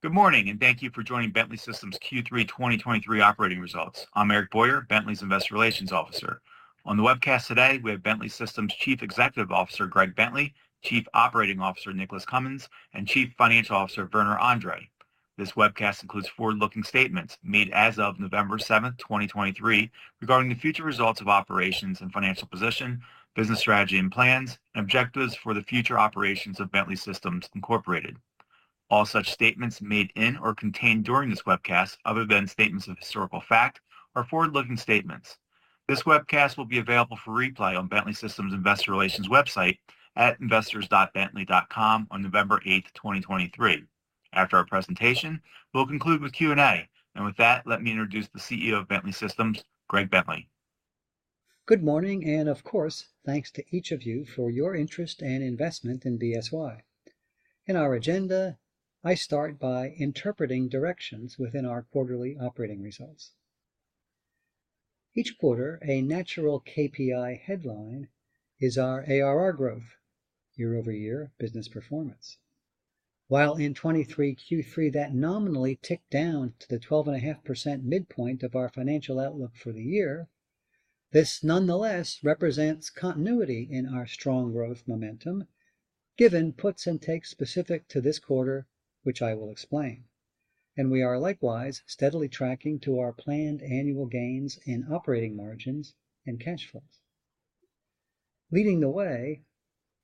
Good morning and thank you for joining Bentley Systems' Q3 2023 operating results. I'm Eric Boyer, Bentley's Investor Relations Officer. On the webcast today, we have Bentley Systems' Chief Executive Officer, Greg Bentley, Chief Operating Officer, Nicholas Cumins, and Chief Financial Officer, Werner Andre. This webcast includes forward-looking statements made as of November 7th, 2023, regarding the future results of operations and financial position, business strategy and plans, and objectives for the future operations of Bentley Systems Incorporated. All such statements made in or contained during this webcast, other than statements of historical fact, are forward-looking statements. This webcast will be available for replay on Bentley Systems Investor Relations website at investors.bentley.com on November 8, 2023. After our presentation, we'll conclude with Q&A. And with that, let me introduce the CEO of Bentley Systems, Greg Bentley. Good morning and of course, thanks to each of you for your interest and investment in BSY. In our agenda, I start by interpreting directions within our quarterly operating results. Each quarter, a natural KPI headline is our ARR growth, year-over-year business performance. While in 2023 Q3, that nominally ticked down to the 12.5% midpoint of our financial outlook for the year, this nonetheless represents continuity in our strong growth momentum, given puts and takes specific to this quarter, which I will explain. And we are likewise steadily tracking to our planned annual gains in operating margins and cash flows. Leading the way,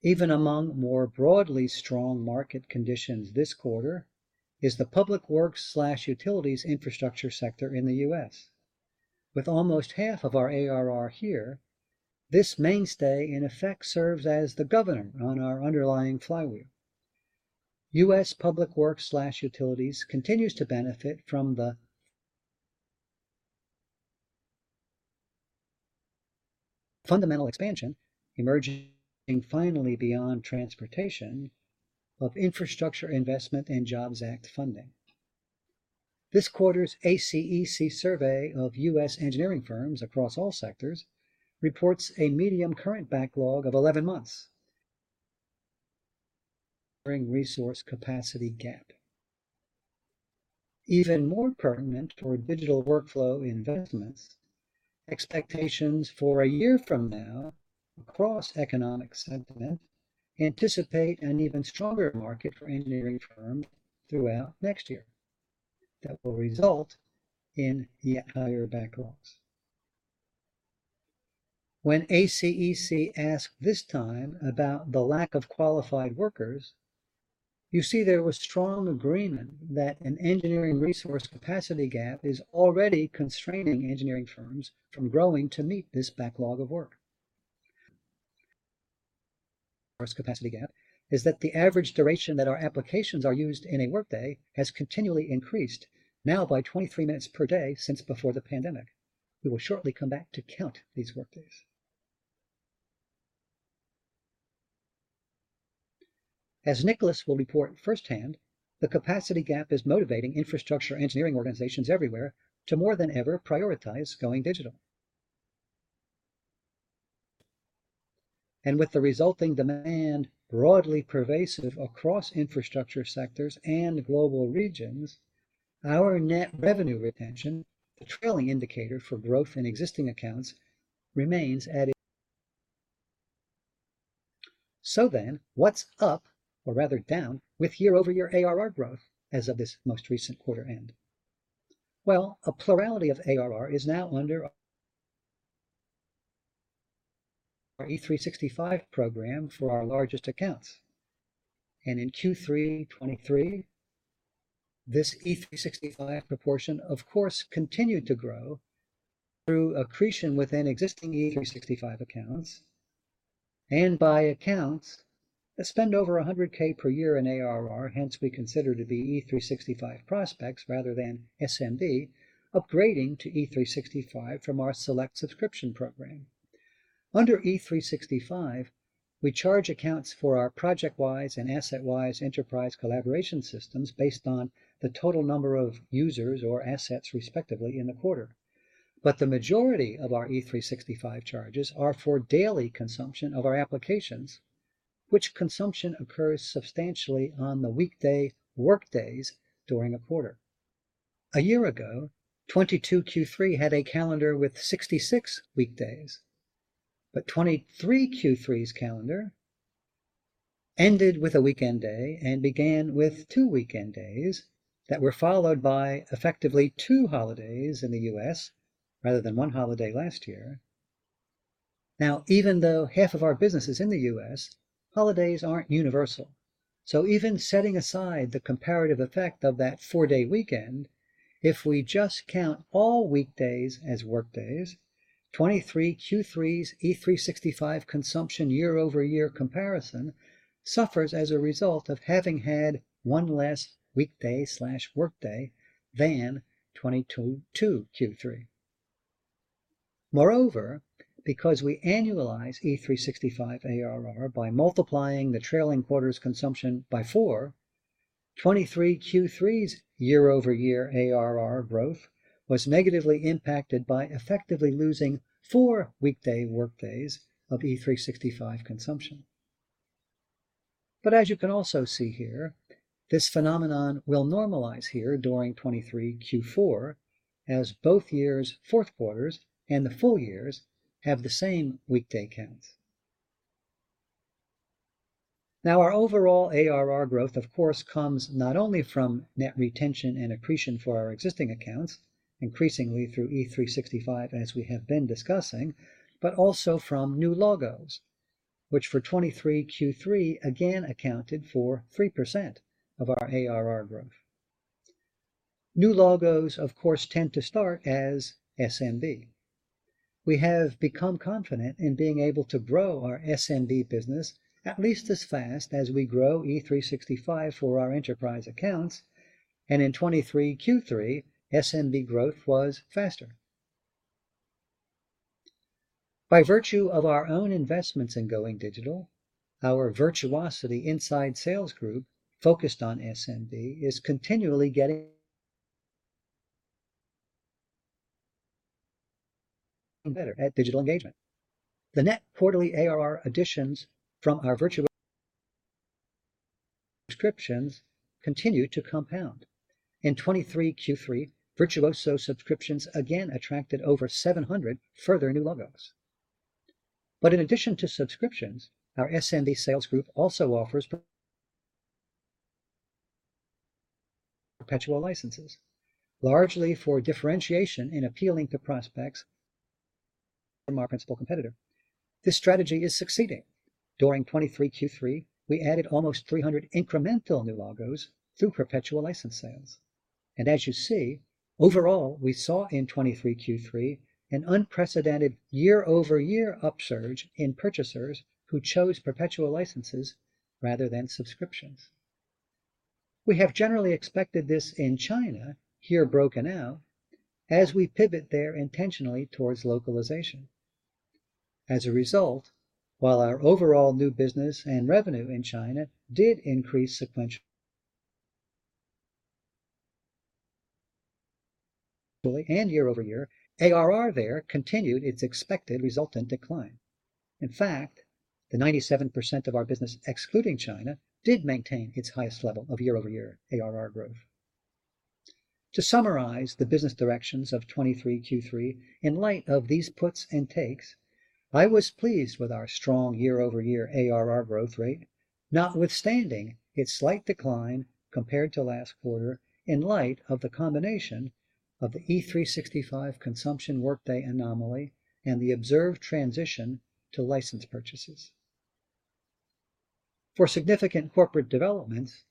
even among more broadly strong market conditions this quarter, is the public works/utilities infrastructure sector in the US With almost half of our ARR here, this mainstay, in effect, serves as the governor on our underlying flywheel. US public works/utilities continues to benefit from the... fundamental expansion, emerging finally beyond transportation of Infrastructure Investment and Jobs Act funding. This quarter's ACEC survey of US engineering firms across all sectors reports a median current backlog of 11 months, bringing resource capacity gap. Even more pertinent for digital workflow investments, expectations for a year from now across economic sentiment anticipate an even stronger market for engineering firms throughout next year that will result in yet higher backlogs. When ACEC asked this time about the lack of qualified workers, you see there was strong agreement that an engineering resource capacity gap is already constraining engineering firms from growing to meet this backlog of work. First capacity gap is that the average duration that our applications are used in a workday has continually increased, now by 23 minutes per day since before the pandemic. We will shortly come back to count these workdays. As Nicholas will report first-hand, the capacity gap is motivating infrastructure engineering organizations everywhere to more than ever prioritize going digital. And with the resulting demand broadly pervasive across infrastructure sectors and global regions, our net revenue retention, the trailing indicator for growth in existing accounts, remains at a... So then, what's up, or rather down, with year-over-year ARR growth as of this most recent quarter end? Well, a plurality of ARR is now under... our E365 program for our largest accounts. And in Q3 2023, this E365 proportion, of course, continued to grow through accretion within existing E365 accounts and by accounts that spend over $100K per year in ARR, hence we consider to be E365 prospects rather than SMB, upgrading to E365 from our select subscription program. Under E365, we charge accounts for our ProjectWise and AssetWise enterprise collaboration systems based on the total number of users or assets, respectively, in the quarter. But the majority of our E365 charges are for daily consumption of our applications, which consumption occurs substantially on the weekday workdays during a quarter. A year ago, 2022 Q3 had a calendar with 66 weekdays, but 2023 Q3's calendar ended with a weekend day and began with 2 weekend days that were followed by effectively two holidays in the US, rather than one holiday last year. Now, even though half of our business is in the US, holidays aren't universal. So even setting aside the comparative effect of that 4-day weekend, if we just count all weekdays as workdays, 2023 Q3's E365 consumption year-over-year comparison suffers as a result of having had one less weekday/workday than 2022 Q3. Moreover, because we annualize E365 ARR by multiplying the trailing quarters consumption by 4, 2023 Q3's year-over-year ARR growth was negatively impacted by effectively losing 4 weekday workdays of E365 consumption.... But as you can also see here, this phenomenon will normalize here during 2023 Q4, as both years' fourth quarters and the full years have the same weekday counts. Now, our overall ARR growth, of course, comes not only from net retention and accretion for our existing accounts, increasingly through E365, as we have been discussing, but also from new logos, which for 2023 Q3 again accounted for 3% of our ARR growth. New logos, of course, tend to start as SMB. We have become confident in being able to grow our SMB business at least as fast as we grow E365 for our enterprise accounts, and in 2023 Q3, SMB growth was faster. By virtue of our own investments in going digital, our Virtuosity inside sales group, focused on SMB, is continually getting better at digital engagement. The net quarterly ARR additions from our Virtuosity subscriptions continue to compound. In 2023 Q3, Virtuosity subscriptions again attracted over 700 further new logos. In addition to subscriptions, our SMB sales group also offers perpetual licenses, largely for differentiation in appealing to prospects from our principal competitor. This strategy is succeeding. During 2023 Q3, we added almost 300 incremental new logos through perpetual license sales. As you see, overall, we saw in 2023 Q3 an unprecedented year-over-year upsurge in purchasers who chose perpetual licenses rather than subscriptions. We have generally expected this in China, here broken out, as we pivot there intentionally towards localization. As a result, while our overall new business and revenue in China did increase sequentially and year-over-year, ARR there continued its expected resultant decline. In fact, 97% of our business excluding China did maintain its highest level of year-over-year ARR growth. To summarize the business directions of 2023 Q3 in light of these puts and takes, I was pleased with our strong year-over-year ARR growth rate, notwithstanding its slight decline compared to last quarter, in light of the combination of the E365 consumption workday anomaly and the observed transition to license purchases. For significant corporate developments,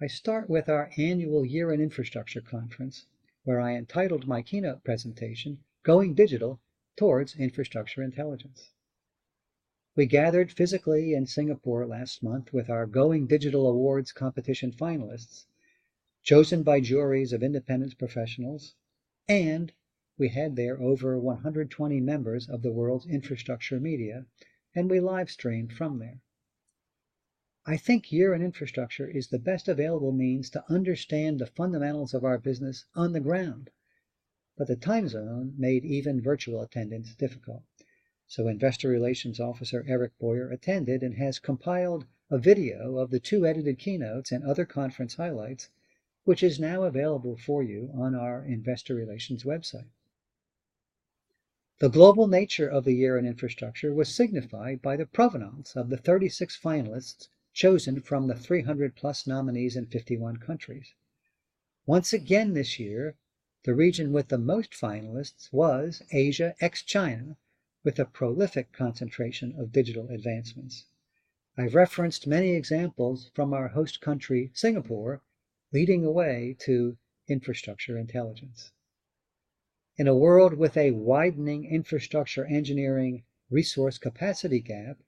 I start with our annual Year in Infrastructure conference, where I entitled my keynote presentation, Going Digital Towards Infrastructure Intelligence. We gathered physically in Singapore last month with our Going Digital Awards competition finalists, chosen by juries of independent professionals, and we had there over 120 members of the world's infrastructure media, and we live-streamed from there. I think Year in Infrastructure is the best available means to understand the fundamentals of our business on the ground, but the time zone made even virtual attendance difficult. So Investor Relations Officer Eric Boyer attended and has compiled a video of the two edited keynotes and other conference highlights, which is now available for you on our investor relations website. The global nature of the Year in Infrastructure was signified by the provenance of the 36 finalists chosen from the 300+ nominees in 51 countries. Once again this year, the region with the most finalists was Asia, ex-China, with a prolific concentration of digital advancements. I've referenced many examples from our host country, Singapore, leading the way to infrastructure intelligence. In a world with a widening infrastructure engineering resource capacity gap,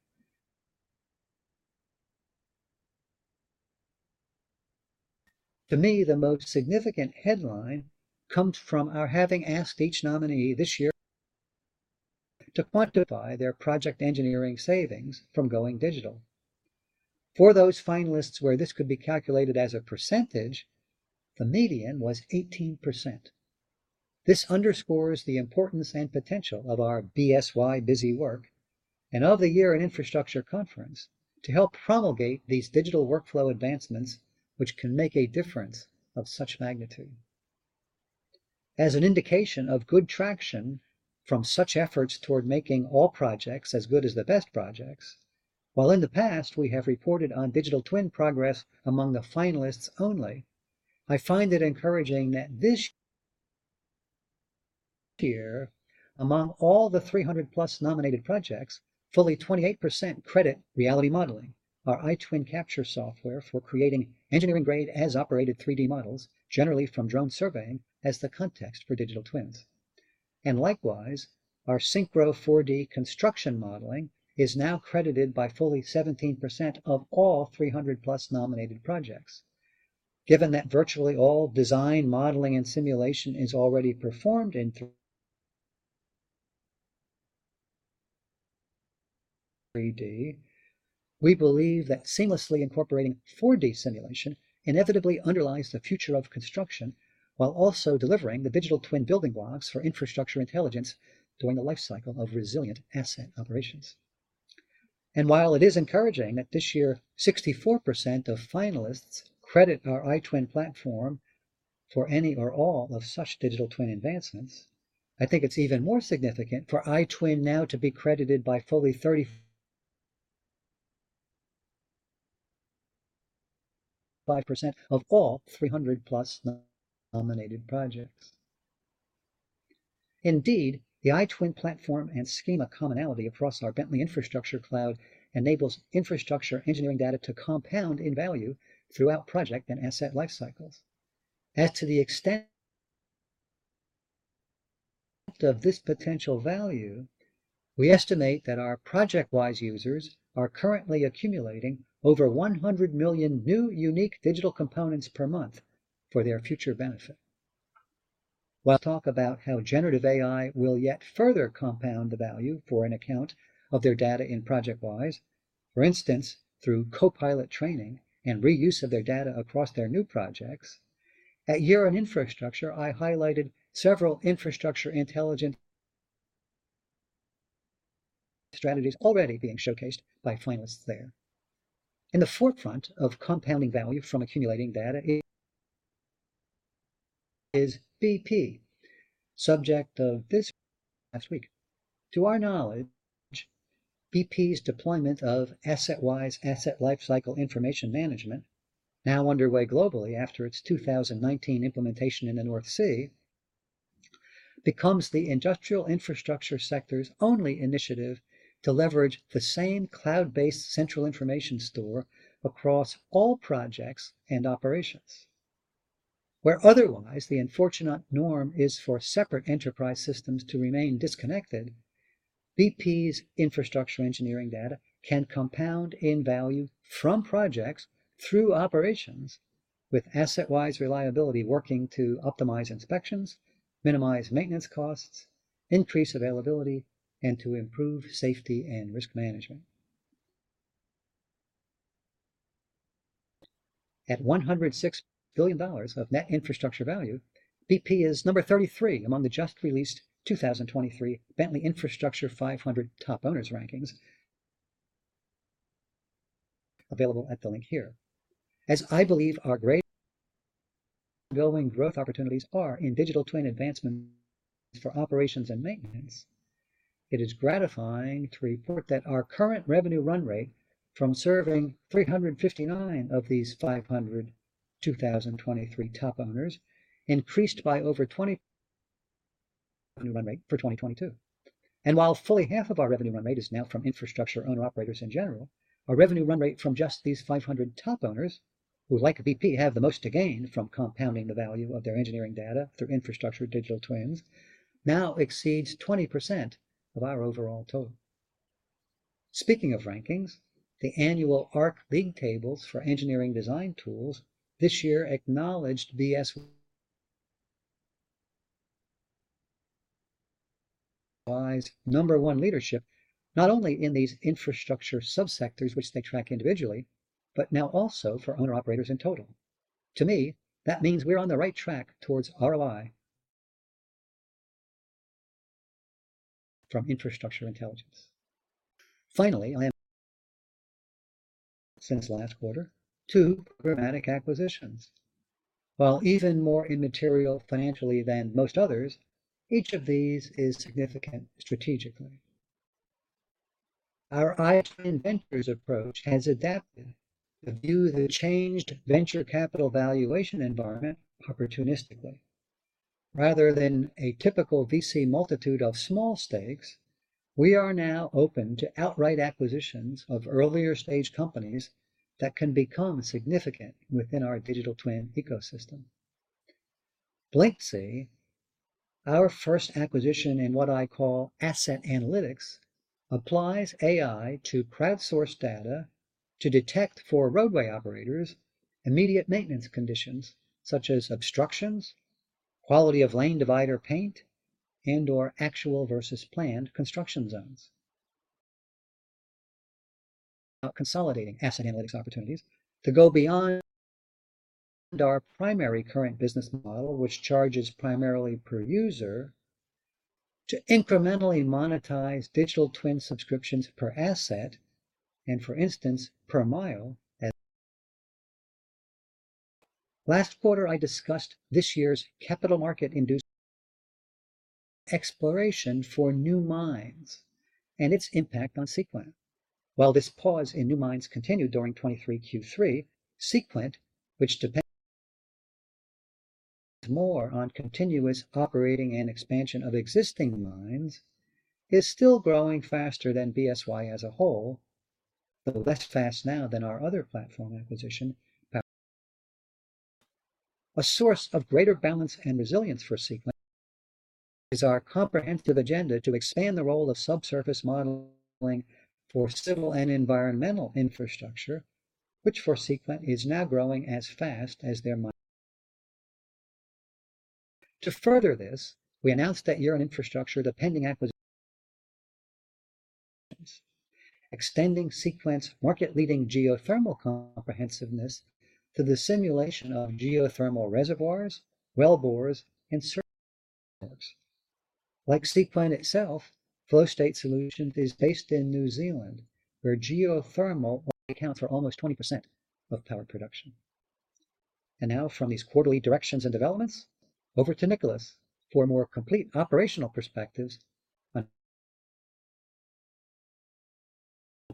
to me, the most significant headline comes from our having asked each nominee this year to quantify their project engineering savings from going digital. For those finalists where this could be calculated as a percentage, the median was 18%. This underscores the importance and potential of our BSY iTwin work and of the Year in Infrastructure conference to help promulgate these digital workflow advancements, which can make a difference of such magnitude. As an indication of good traction from such efforts toward making all projects as good as the best projects, while in the past, we have reported on digital twin progress among the finalists only, I find it encouraging that this year, among all the 300+ nominated projects, fully 28% credit reality modeling. Our iTwin Capture software for creating engineering-grade as-operated 3D models, generally from drone surveying, as the context for digital twins. And likewise, our SYNCHRO 4D construction modeling is now credited by fully 17% of all 300+ nominated projects. Given that virtually all design, modeling, and simulation is already performed in 3D, we believe that seamlessly incorporating 4D simulation inevitably underlies the future of construction, while also delivering the Digital Twin building blocks for infrastructure intelligence during the life cycle of resilient asset operations. While it is encouraging that this year, 64% of finalists credit our iTwin platform for any or all of such Digital Twin advancements, I think it's even more significant for iTwin now to be credited by fully 35% of all 300+ nominated projects. Indeed, the iTwin platform and schema commonality across our Bentley Infrastructure Cloud enables infrastructure engineering data to compound in value throughout project and asset life cycles. As to the extent of this potential value, we estimate that our ProjectWise users are currently accumulating over 100 million new unique digital components per month for their future benefit. While talk about how generative AI will yet further compound the value for an account of their data in ProjectWise, for instance, through copilot training and reuse of their data across their new projects, at Year in Infrastructure, I highlighted several infrastructure intelligent strategies already being showcased by finalists there. In the forefront of compounding value from accumulating data is BP, subject of this last week. To our knowledge, BP's deployment of AssetWise asset lifecycle information management, now underway globally after its 2019 implementation in the North Sea, becomes the industrial infrastructure sector's only initiative to leverage the same cloud-based central information store across all projects and operations. Where otherwise the unfortunate norm is for separate enterprise systems to remain disconnected, BP's infrastructure engineering data can compound in value from projects through operations with AssetWise Reliability, working to optimize inspections, minimize maintenance costs, increase availability, and to improve safety and risk management. At $106 billion of net infrastructure value, BP is number 33 among the just-released 2023 Bentley Infrastructure 500 top owners rankings, available at the link here. As I believe our great going growth opportunities are in digital twin advancement for operations and maintenance, it is gratifying to report that our current revenue run rate from serving 359 of these 500 2023 top owners increased by over 20 revenue run rate for 2022. While fully half of our revenue run rate is now from infrastructure owner-operators in general, our revenue run rate from just these 500 top owners, who like BP, have the most to gain from compounding the value of their engineering data through infrastructure digital twins, now exceeds 20% of our overall total. Speaking of rankings, the annual ARC Big Tables for Engineering Design Tools this year acknowledged BSY's number one leadership, not only in these infrastructure subsectors which they track individually, but now also for owner-operators in total. To me, that means we're on the right track towards ROI from infrastructure intelligence. Finally, since last quarter, 2 programmatic acquisitions. While even more immaterial financially than most others, each of these is significant strategically. Our iTwin Ventures approach has adapted to view the changed venture capital valuation environment opportunistically. Rather than a typical VC multitude of small stakes, we are now open to outright acquisitions of earlier-stage companies that can become significant within our digital twin ecosystem. Blyncsy, our first acquisition in what I call asset analytics, applies AI to crowdsourced data to detect, for roadway operators, immediate maintenance conditions such as obstructions, quality of lane divider paint, and/or actual versus planned construction zones. Consolidating asset analytics opportunities to go beyond our primary current business model, which charges primarily per user, to incrementally monetize digital twin subscriptions per asset, and for instance, per mile as... Last quarter, I discussed this year's capital market-induced exploration for new mines and its impact on Seequent. While this pause in new mines continued during 2023 Q3, Seequent, which depends more on continuous operating and expansion of existing mines, is still growing faster than BSY as a whole, but less fast now than our other platform acquisition. A source of greater balance and resilience for Seequent is our comprehensive agenda to expand the role of subsurface modeling for civil and environmental infrastructure, which for Seequent, is now growing as fast as their mine. To further this, we announced at Year in Infrastructure the pending acquisition, extending Seequent's market-leading geothermal comprehensiveness to the simulation of geothermal reservoirs, wellbores, and surface. Like Seequent itself, Flow State Solutions is based in New Zealand, where geothermal accounts for almost 20% of power production. Now from these quarterly directions and developments, over to Nicholas for a more complete operational perspective on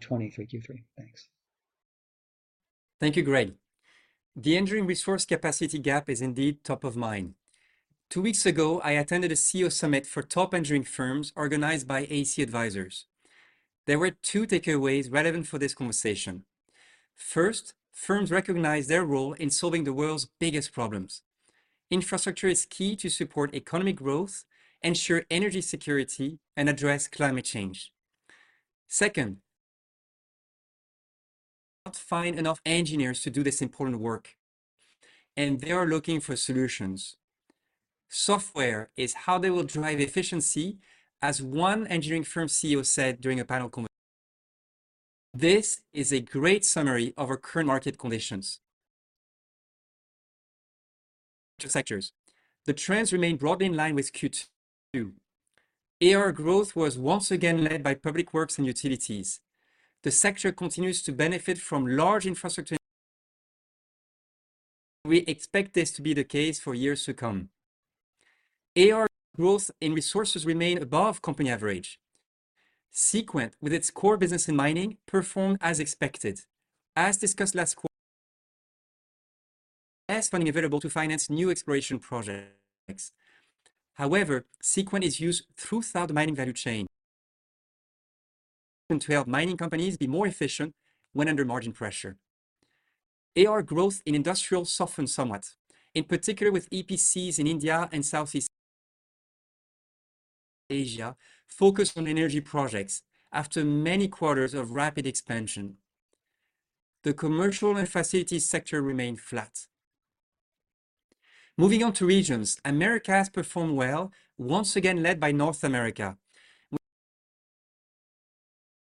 2023 Q3. Thanks. Thank you Greg. The engineering resource capacity gap is indeed top of mind. 2 weeks ago, I attended a CEO summit for top engineering firms organized by AEC Advisors. There were 2 takeaways relevant for this conversation. First, firms recognize their role in solving the world's biggest problems. Infrastructure is key to support economic growth, ensure energy security, and address climate change. Second, find enough engineers to do this important work, and they are looking for solutions. Software is how they will drive efficiency, as 1 engineering firm CEO said during a panel con-- This is a great summary of our current market conditions. 2 sectors. The trends remain broadly in line with Q2. ARR growth was once again led by public works and utilities. The sector continues to benefit from large infrastructure. We expect this to be the case for years to come. AR growth in resources remains above company average. Seequent, with its core business in mining, performed as expected. As discussed last quarter, less funding available to finance new exploration projects. However, Seequent is used throughout the mining value chain to help mining companies be more efficient when under margin pressure. AR growth in industrial softened somewhat, in particular with EPCs in India and Southeast Asia, focused on energy projects after many quarters of rapid expansion. The commercial and facilities sector remained flat. Moving on to regions. Americas has performed well, once again led by North America.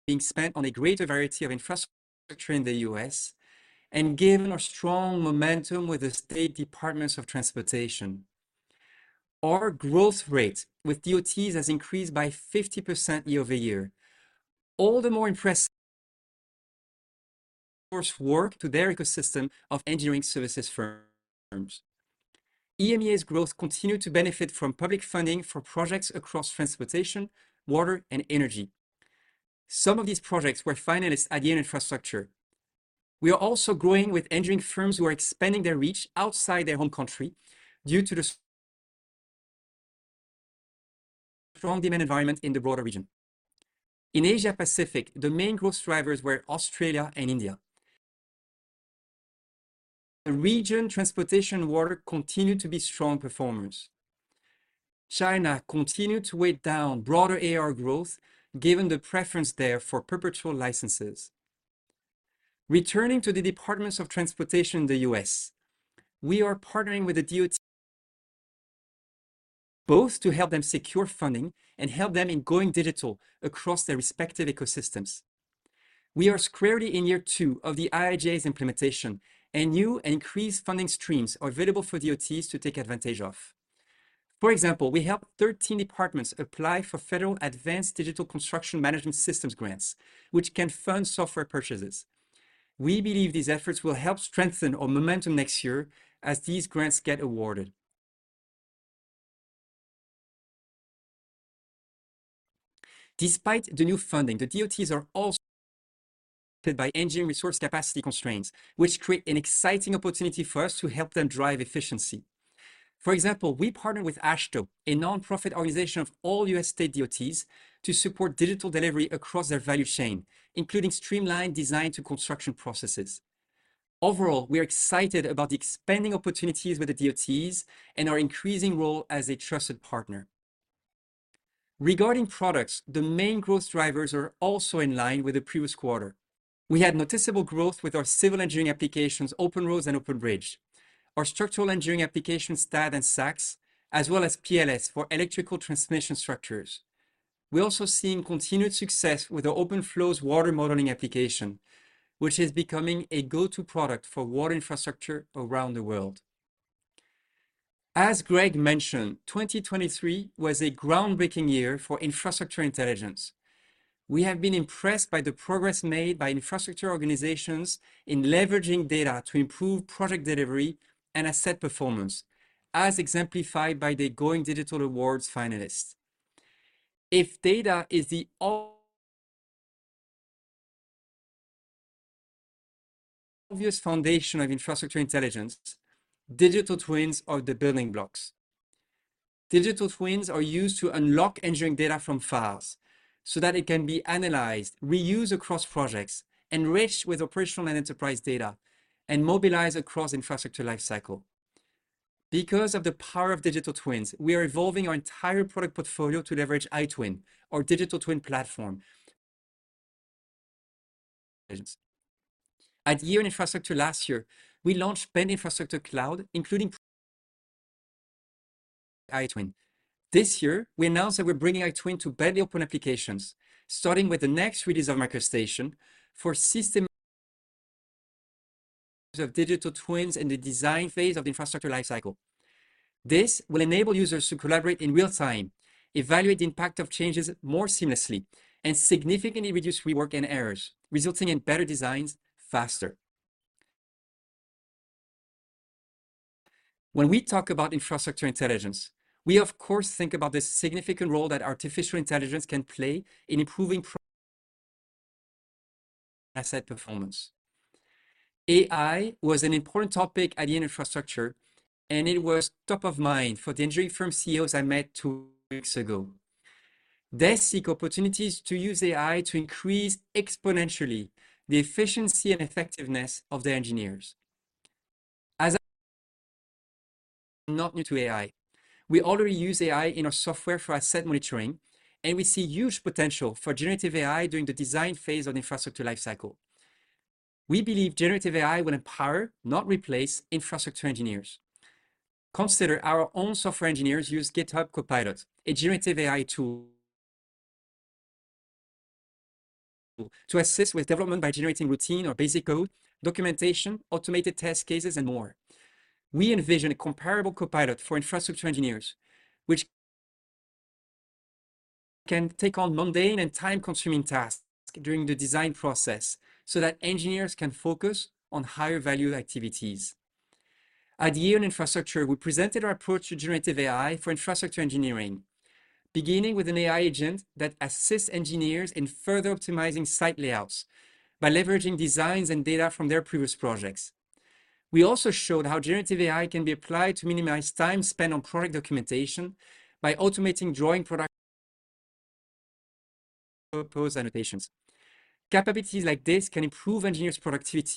Being spent on a greater variety of infrastructure in the US and given our strong momentum with the State Departments of Transportation. Our growth rate with DOTs has increased by 50% year-over-year. All the more impressive... Force work to their ecosystem of engineering services firms. EMEA's growth continued to benefit from public funding for projects across transportation, water, and energy. Some of these projects were finalists at the infrastructure. We are also growing with engineering firms who are expanding their reach outside their home country due to the strong demand environment in the broader region. In Asia Pacific, the main growth drivers were Australia and India. The region transportation and water continued to be strong performers. China continued to weigh down broader AR growth, given the preference there for perpetual licenses. Returning to the Departments of Transportation in the US, we are partnering with the DOT, both to help them secure funding and help them in going digital across their respective ecosystems. We are squarely in year two of the IIJA's implementation, and new increased funding streams are available for DOTs to take advantage of. For example, we helped 13 departments apply for Federal Advanced Digital Construction Management Systems grants, which can fund software purchases. We believe these efforts will help strengthen our momentum next year as these grants get awarded. Despite the new funding, the DOTs are also by engineering resource capacity constraints, which create an exciting opportunity for us to help them drive efficiency. For example, we partnered with AASHTO, a nonprofit organization of all US state DOTs, to support digital delivery across their value chain, including streamlined design to construction processes. Overall, we are excited about the expanding opportunities with the DOTs and our increasing role as a trusted partner. Regarding products, the main growth drivers are also in line with the previous quarter. We had noticeable growth with our civil engineering applications, OpenRoads and OpenBridge, our structural engineering application, STAAD and SACS, as well as PLS for electrical transmission structures. We're also seeing continued success with the OpenFlows water modeling application, which is becoming a go-to product for water infrastructure around the world. As Greg mentioned, 2023 was a groundbreaking year for infrastructure intelligence. We have been impressed by the progress made by infrastructure organizations in leveraging data to improve project delivery and asset performance, as exemplified by the Going Digital Awards finalists. If data is the obvious foundation of infrastructure intelligence, digital twins are the building blocks. Digital twins are used to unlock engineering data from files so that it can be analyzed, reused across projects, enriched with operational and enterprise data, and mobilized across infrastructure lifecycle. Because of the power of digital twins, we are evolving our entire product portfolio to leverage iTwin or digital twin platform. At Year in Infrastructure last year, we launched Bentley Infrastructure Cloud, including iTwin. This year, we announced that we're bringing iTwin to Bentley Open applications, starting with the next release of MicroStation for systems of digital twins in the design phase of the infrastructure lifecycle. This will enable users to collaborate in real time, evaluate the impact of changes more seamlessly, and significantly reduce rework and errors, resulting in better designs faster. When we talk about infrastructure intelligence, we, of course, think about the significant role that artificial intelligence can play in improving asset performance. AI was an important topic at the infrastructure, and it was top of mind for the engineering firm CEOs I met two weeks ago. They seek opportunities to use AI to increase exponentially the efficiency and effectiveness of their engineers. As not new to AI, we already use AI in our software for asset monitoring, and we see huge potential for generative AI during the design phase of the infrastructure lifecycle. We believe generative AI will empower, not replace, infrastructure engineers. Consider our own software engineers use GitHub Copilot, a generative AI tool, to assist with development by generating routine or basic code, documentation, automated test cases, and more. We envision a comparable copilot for infrastructure engineers, which can take on mundane and time-consuming tasks during the design process so that engineers can focus on higher-value activities. At the Year in Infrastructure, we presented our approach to generative AI for infrastructure engineering, beginning with an AI agent that assists engineers in further optimizing site layouts by leveraging designs and data from their previous projects. We also showed how generative AI can be applied to minimize time spent on product documentation by automating drawing product-proposed annotations. Capabilities like this can improve engineers' productivity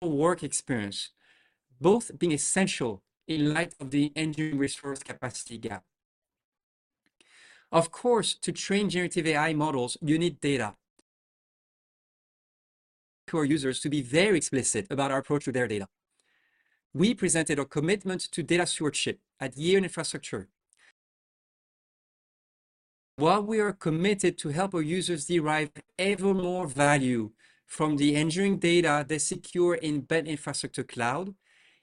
work experience, both being essential in light of the engineering resource capacity gap. Of course, to train generative AI models, you need data. For our users to be very explicit about our approach to their data. We presented our commitment to data stewardship at Year in Infrastructure. While we are committed to help our users derive even more value from the engineering data they secure in Bentley Infrastructure Cloud,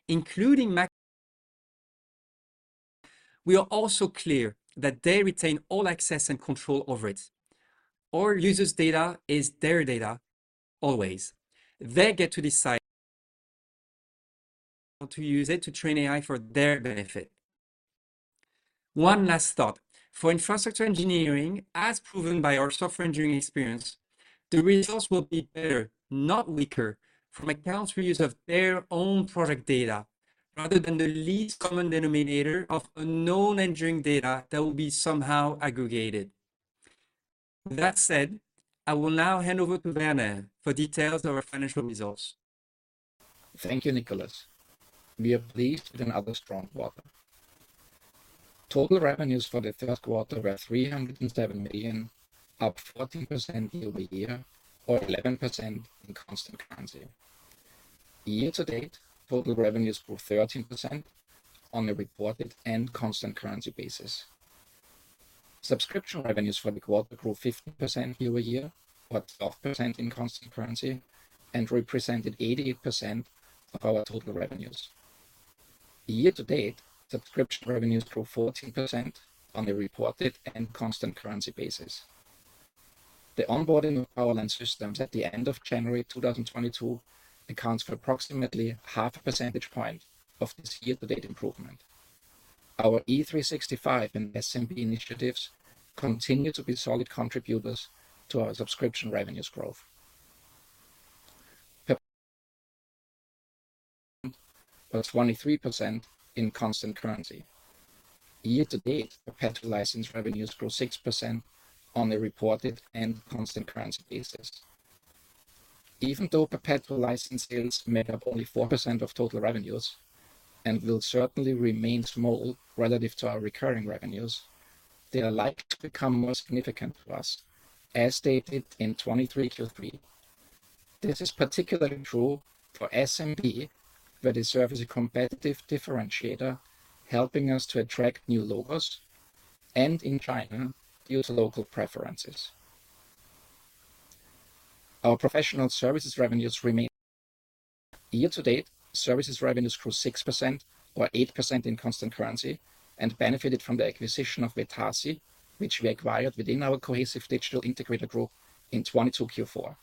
including maps, we are also clear that they retain all access and control over it. Our users' data is their data, always. They get to decide how to use it to train AI for their benefit. One last thought. For infrastructure engineering, as proven by our software engineering experience, the results will be better, not weaker, from accounts we use of their own product data, rather than the least common denominator of unknown engineering data that will be somehow aggregated. That said, I will now hand over to Werner for details of our financial results. Thank you Nicholas. We are pleased with another strong quarter. Total revenues for the Q1 were $307 million, up 14% year-over-year, or 11% in constant currency. Year-to-date, total revenues grew 13% on a reported and constant currency basis. Subscription revenues for the quarter grew 15% year-over-year, but 12% in constant currency, and represented 80% of our total revenues. Year-to-date, subscription revenues grew 14% on a reported and constant currency basis. The onboarding of Power Line Systems at the end of January 2022 accounts for approximately half a percentage point of this year-to-date improvement. Our E365 and SMB initiatives continue to be solid contributors to our subscription revenues growth. Perpetual, but 23% in constant currency. Year-to-date, perpetual license revenues grew 6% on a reported and constant currency basis. Even though perpetual license sales made up only 4% of total revenues and will certainly remain small relative to our recurring revenues, they are likely to become more significant to us, as stated in 2023 Q3. This is particularly true for SMB, where they serve as a competitive differentiator, helping us to attract new logos, and in China, due to local preferences. Our professional services revenues remain. Year-to-date, services revenues grew 6 or 8% in constant currency and benefited from the acquisition of Vetasi, which we acquired within our Cohesive digital integrator group in 2022 Q4.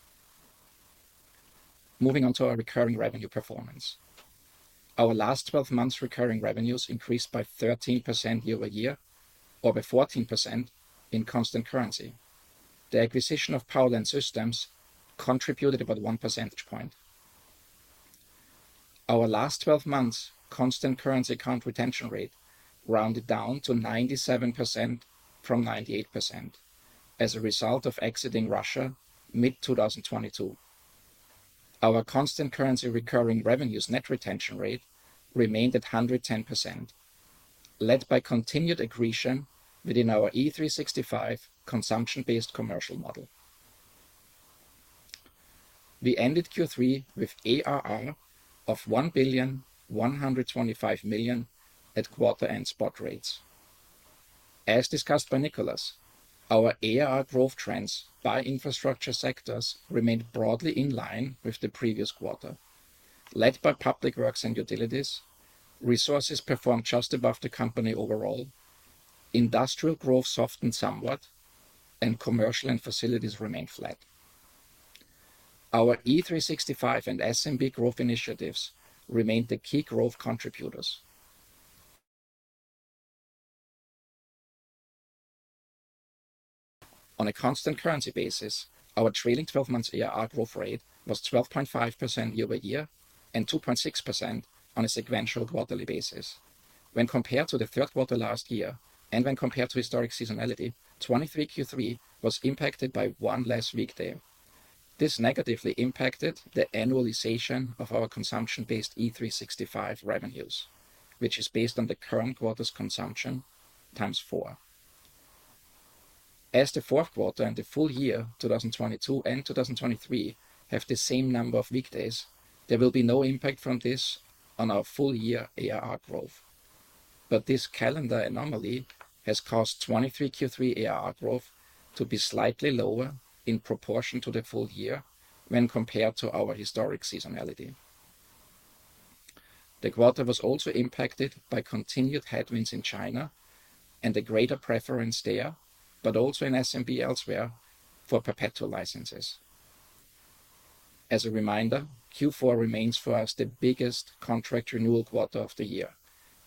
Moving on to our recurring revenue performance. Our last 12 months recurring revenues increased by 13% year-over-year, or by 14% in constant currency. The acquisition of Power Line Systems contributed about one percentage point. Our last twelve months constant currency account retention rate rounded down to 97% from 98% as a result of exiting Russia mid-2022. Our constant currency recurring revenues net retention rate remained at 110%, led by continued accretion within our E365 consumption-based commercial model. We ended Q3 with ARR of $1.125 billion at quarter end spot rates. As discussed by Nicholas, our ARR growth trends by infrastructure sectors remained broadly in line with the previous quarter, led by public works and utilities. Resources performed just above the company overall. Industrial growth softened somewhat, and commercial and facilities remained flat. Our E365 and SMB growth initiatives remained the key growth contributors. On a constant currency basis, our trailing twelve-month ARR growth rate was 12.5% year-over-year and 2.6% on a sequential quarterly basis. When compared to the third quarter last year, and when compared to historic seasonality, 2023 Q3 was impacted by one less weekday. This negatively impacted the annualization of our consumption-based E365 revenues, which is based on the current quarter's consumption times 4. As the fourth quarter and the full year, 2022 and 2023, have the same number of weekdays, there will be no impact from this on our full year ARR growth. But this calendar anomaly has caused 2023 Q3 ARR growth to be slightly lower in proportion to the full year when compared to our historic seasonality. The quarter was also impacted by continued headwinds in China and a greater preference there, but also in SMB elsewhere, for perpetual licenses. As a reminder, Q4 remains for us the biggest contract renewal quarter of the year,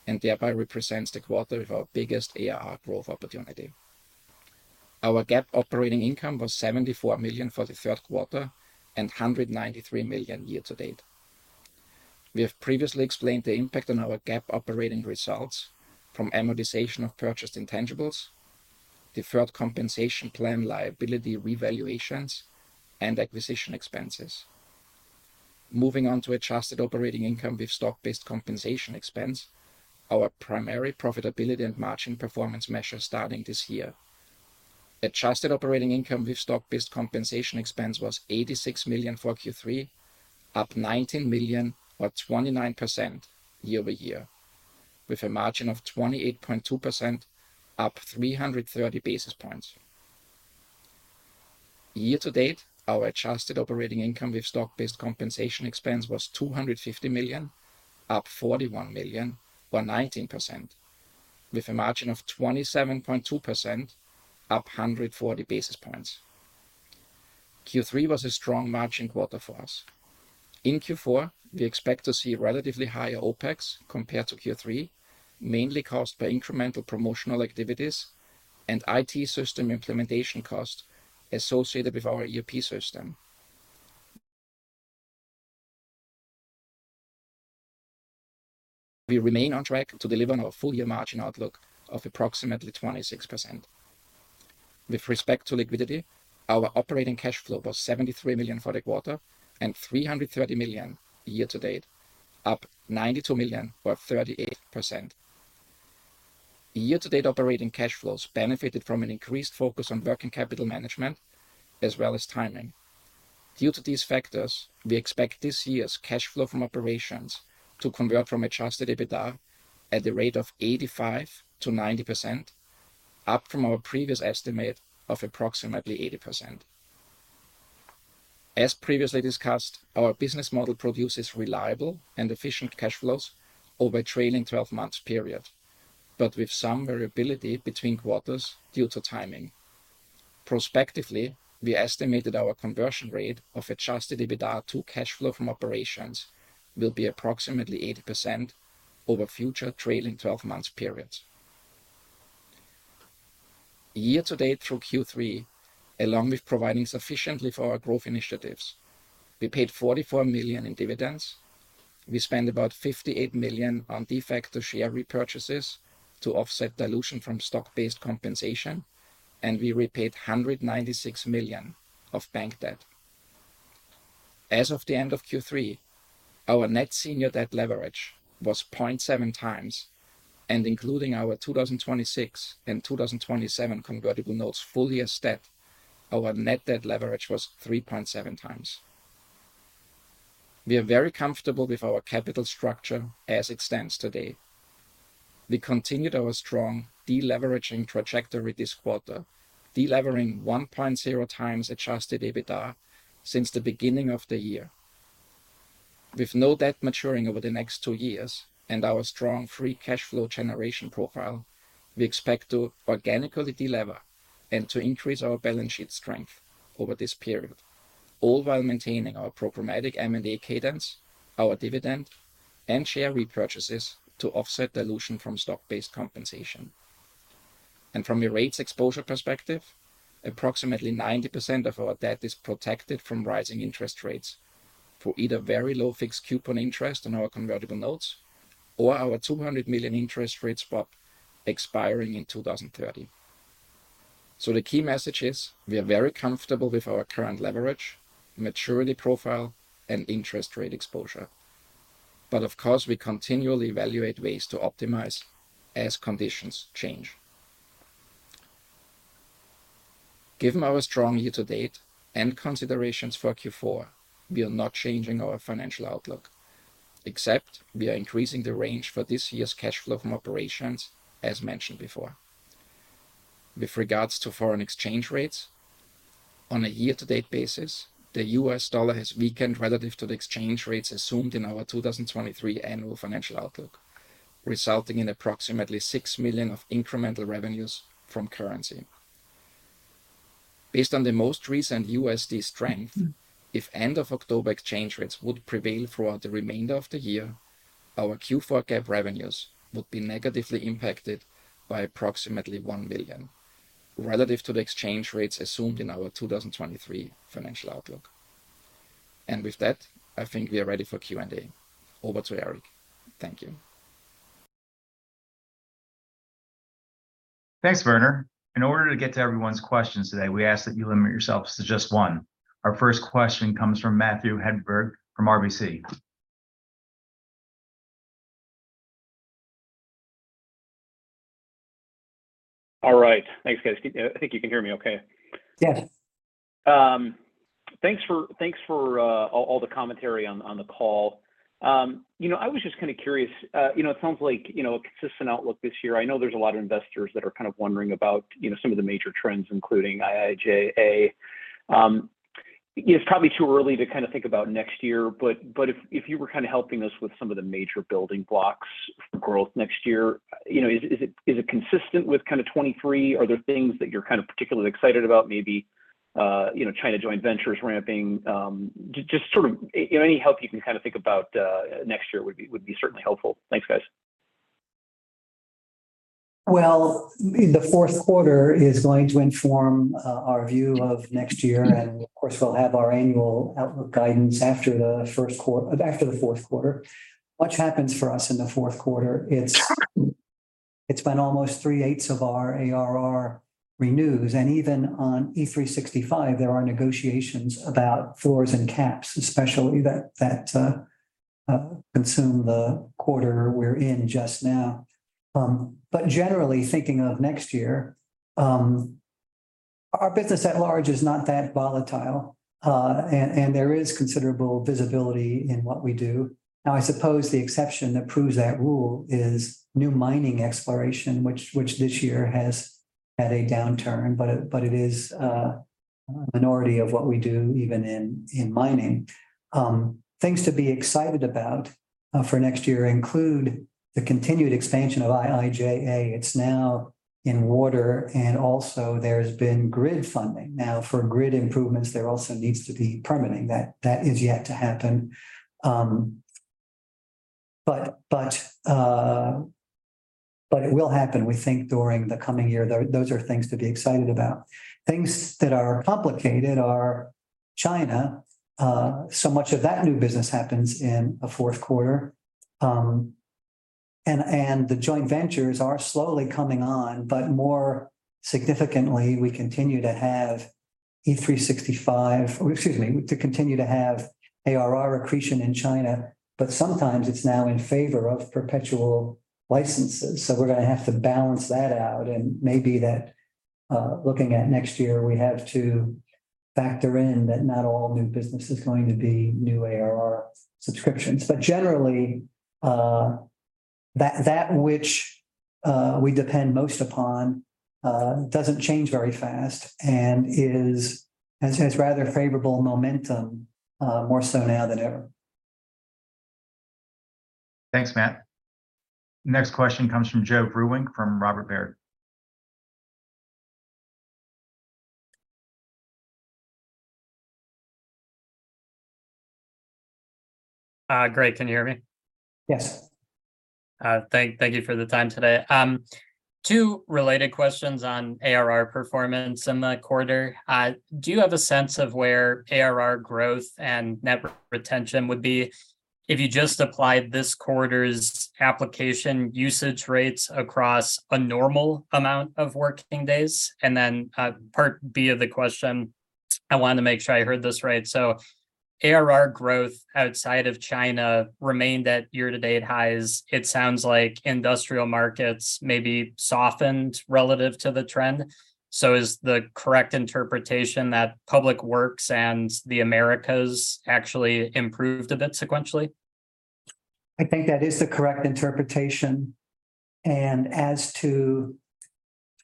and thereby represents the quarter with our biggest ARR growth opportunity. Our GAAP operating income was $74 million for the third quarter and $193 million year-to-date. We have previously explained the impact on our GAAP operating results from amortization of purchased intangibles, deferred compensation plan liability revaluations, and acquisition expenses. Moving on to adjusted operating income with stock-based compensation expense, our primary profitability and margin performance measure starting this year. Adjusted operating income with stock-based compensation expense was $86 million for Q3, up $19 million or 29% year-over-year, with a margin of 28.2%, up 330 basis points. Year-to-date, our adjusted operating income with stock-based compensation expense was $250 million, up $41 million or 19%, with a margin of 27.2%, up 140 basis points. Q3 was a strong margin quarter for us. In Q4, we expect to see relatively higher OpEx compared to Q3, mainly caused by incremental promotional activities and IT system implementation costs associated with our ERP system. We remain on track to deliver on our full-year margin outlook of approximately 26%. With respect to liquidity, our operating cash flow was $73 million for the quarter and $330 million year-to-date, up $92 million or 38%. Year-to-date operating cash flows benefited from an increased focus on working capital management as well as timing. Due to these factors, we expect this year's cash flow from operations to convert from adjusted EBITDA at a rate of 85% to 90%, up from our previous estimate of approximately 80%. As previously discussed, our business model produces reliable and efficient cash flows over a trailing 12-month period, but with some variability between quarters due to timing. Prospectively, we estimated our conversion rate of adjusted EBITDA to cash flow from operations will be approximately 80% over future trailing 12-month periods. Year-to-date through Q3, along with providing sufficiently for our growth initiatives, we paid $44 million in dividends. We spent about $58 million on de facto share repurchases to offset dilution from stock-based compensation, and we repaid $196 million of bank debt. As of the end of Q3, our net senior debt leverage was 0.7x, and including our 2026 and 2027 convertible notes fully as debt, our net debt leverage was 3.7x. We are very comfortable with our capital structure as it stands today. We continued our strong deleveraging trajectory this quarter, delevering 1.0x adjusted EBITDA since the beginning of the year. With no debt maturing over the next two years and our strong free cash flow generation profile, we expect to organically delever and to increase our balance sheet strength over this period, all while maintaining our programmatic M&A cadence, our dividend, and share repurchases to offset dilution from stock-based compensation. From a rates exposure perspective, approximately 90% of our debt is protected from rising interest rates through either very low fixed coupon interest on our convertible notes or our $200 million interest rate swap expiring in 2030. So the key message is: we are very comfortable with our current leverage, maturity profile, and interest rate exposure. But of course, we continually evaluate ways to optimize as conditions change. Given our strong year-to-date and considerations for Q4, we are not changing our financial outlook, except we are increasing the range for this year's cash flow from operations, as mentioned before. With regards to foreign exchange rates, on a year-to-date basis, the US dollar has weakened relative to the exchange rates assumed in our 2023 annual financial outlook, resulting in approximately $6 million of incremental revenues from currency. Based on the most recent USD strength, if end of October exchange rates would prevail throughout the remainder of the year, our Q4 GAAP revenues would be negatively impacted by approximately $1 million relative to the exchange rates assumed in our 2023 financial outlook. And with that, I think we are ready for Q&A. Over to you, Eric. Thank you. Thanks Werner. In order to get to everyone's questions today, we ask that you limit yourselves to just one. Our first question comes from Matthew Hedberg from RBC. All right. Thanks guys. I think you can hear me okay? Yes. Thanks for all the commentary on the call. You know, I was just kind of curious, you know, it sounds like, you know, a consistent outlook this year. I know there's a lot of investors that are kind of wondering about, you know, some of the major trends, including IIJA. It's probably too early to kind of think about next year, but if you were kind of helping us with some of the major building blocks for growth next year, you know, is it consistent with kind of 2023? Are there things that you're kind of particularly excited about, maybe, you know, China joint ventures ramping? Just sort of any help you can kind of think about next year would be certainly helpful. Thanks, guys. Well, the Q4 is going to inform our view of next year, and of course, we'll have our annual outlook guidance after the Q1, after the Q4. Much happens for us in the fourth quarter. It's been almost three-eighths of our ARR renews, and even on E365, there are negotiations about floors and caps, especially that consume the quarter we're in just now. But generally, thinking of next year, our business at large is not that volatile, and there is considerable visibility in what we do. Now, I suppose the exception that proves that rule is new mining exploration, which this year has had a downturn, but it is a minority of what we do, even in mining. Things to be excited about for next year include the continued expansion of IIJA. It's now in water, and also there's been grid funding. Now, for grid improvements, there also needs to be permitting. That is yet to happen. But it will happen, we think, during the coming year. Those are things to be excited about. Things that are complicated are China. So much of that new business happens in the fourth quarter. And the joint ventures are slowly coming on, but more significantly, we continue to have E365, or excuse me, to continue to have ARR accretion in China, but sometimes it's now in favor of perpetual licenses, so we're gonna have to balance that out. Maybe that, looking at next year, we have to factor in that not all new business is going to be new ARR subscriptions. But generally, that, that which we depend most upon doesn't change very fast and is... has rather favorable momentum, more so now than ever. Thanks, Matt. Next question comes from Joe Vruwink from Baird. Great. Can you hear me? Yes. Thank you for the time today. 2 related questions on ARR performance in the quarter. Do you have a sense of where ARR growth and net retention would be if you just applied this quarter's application usage rates across a normal amount of working days? And then, part B of the question, I want to make sure I heard this right: So ARR growth outside of China remained at year-to-date highs. It sounds like industrial markets maybe softened relative to the trend. So is the correct interpretation that public works and the Americas actually improved a bit sequentially? I think that is the correct interpretation. And as to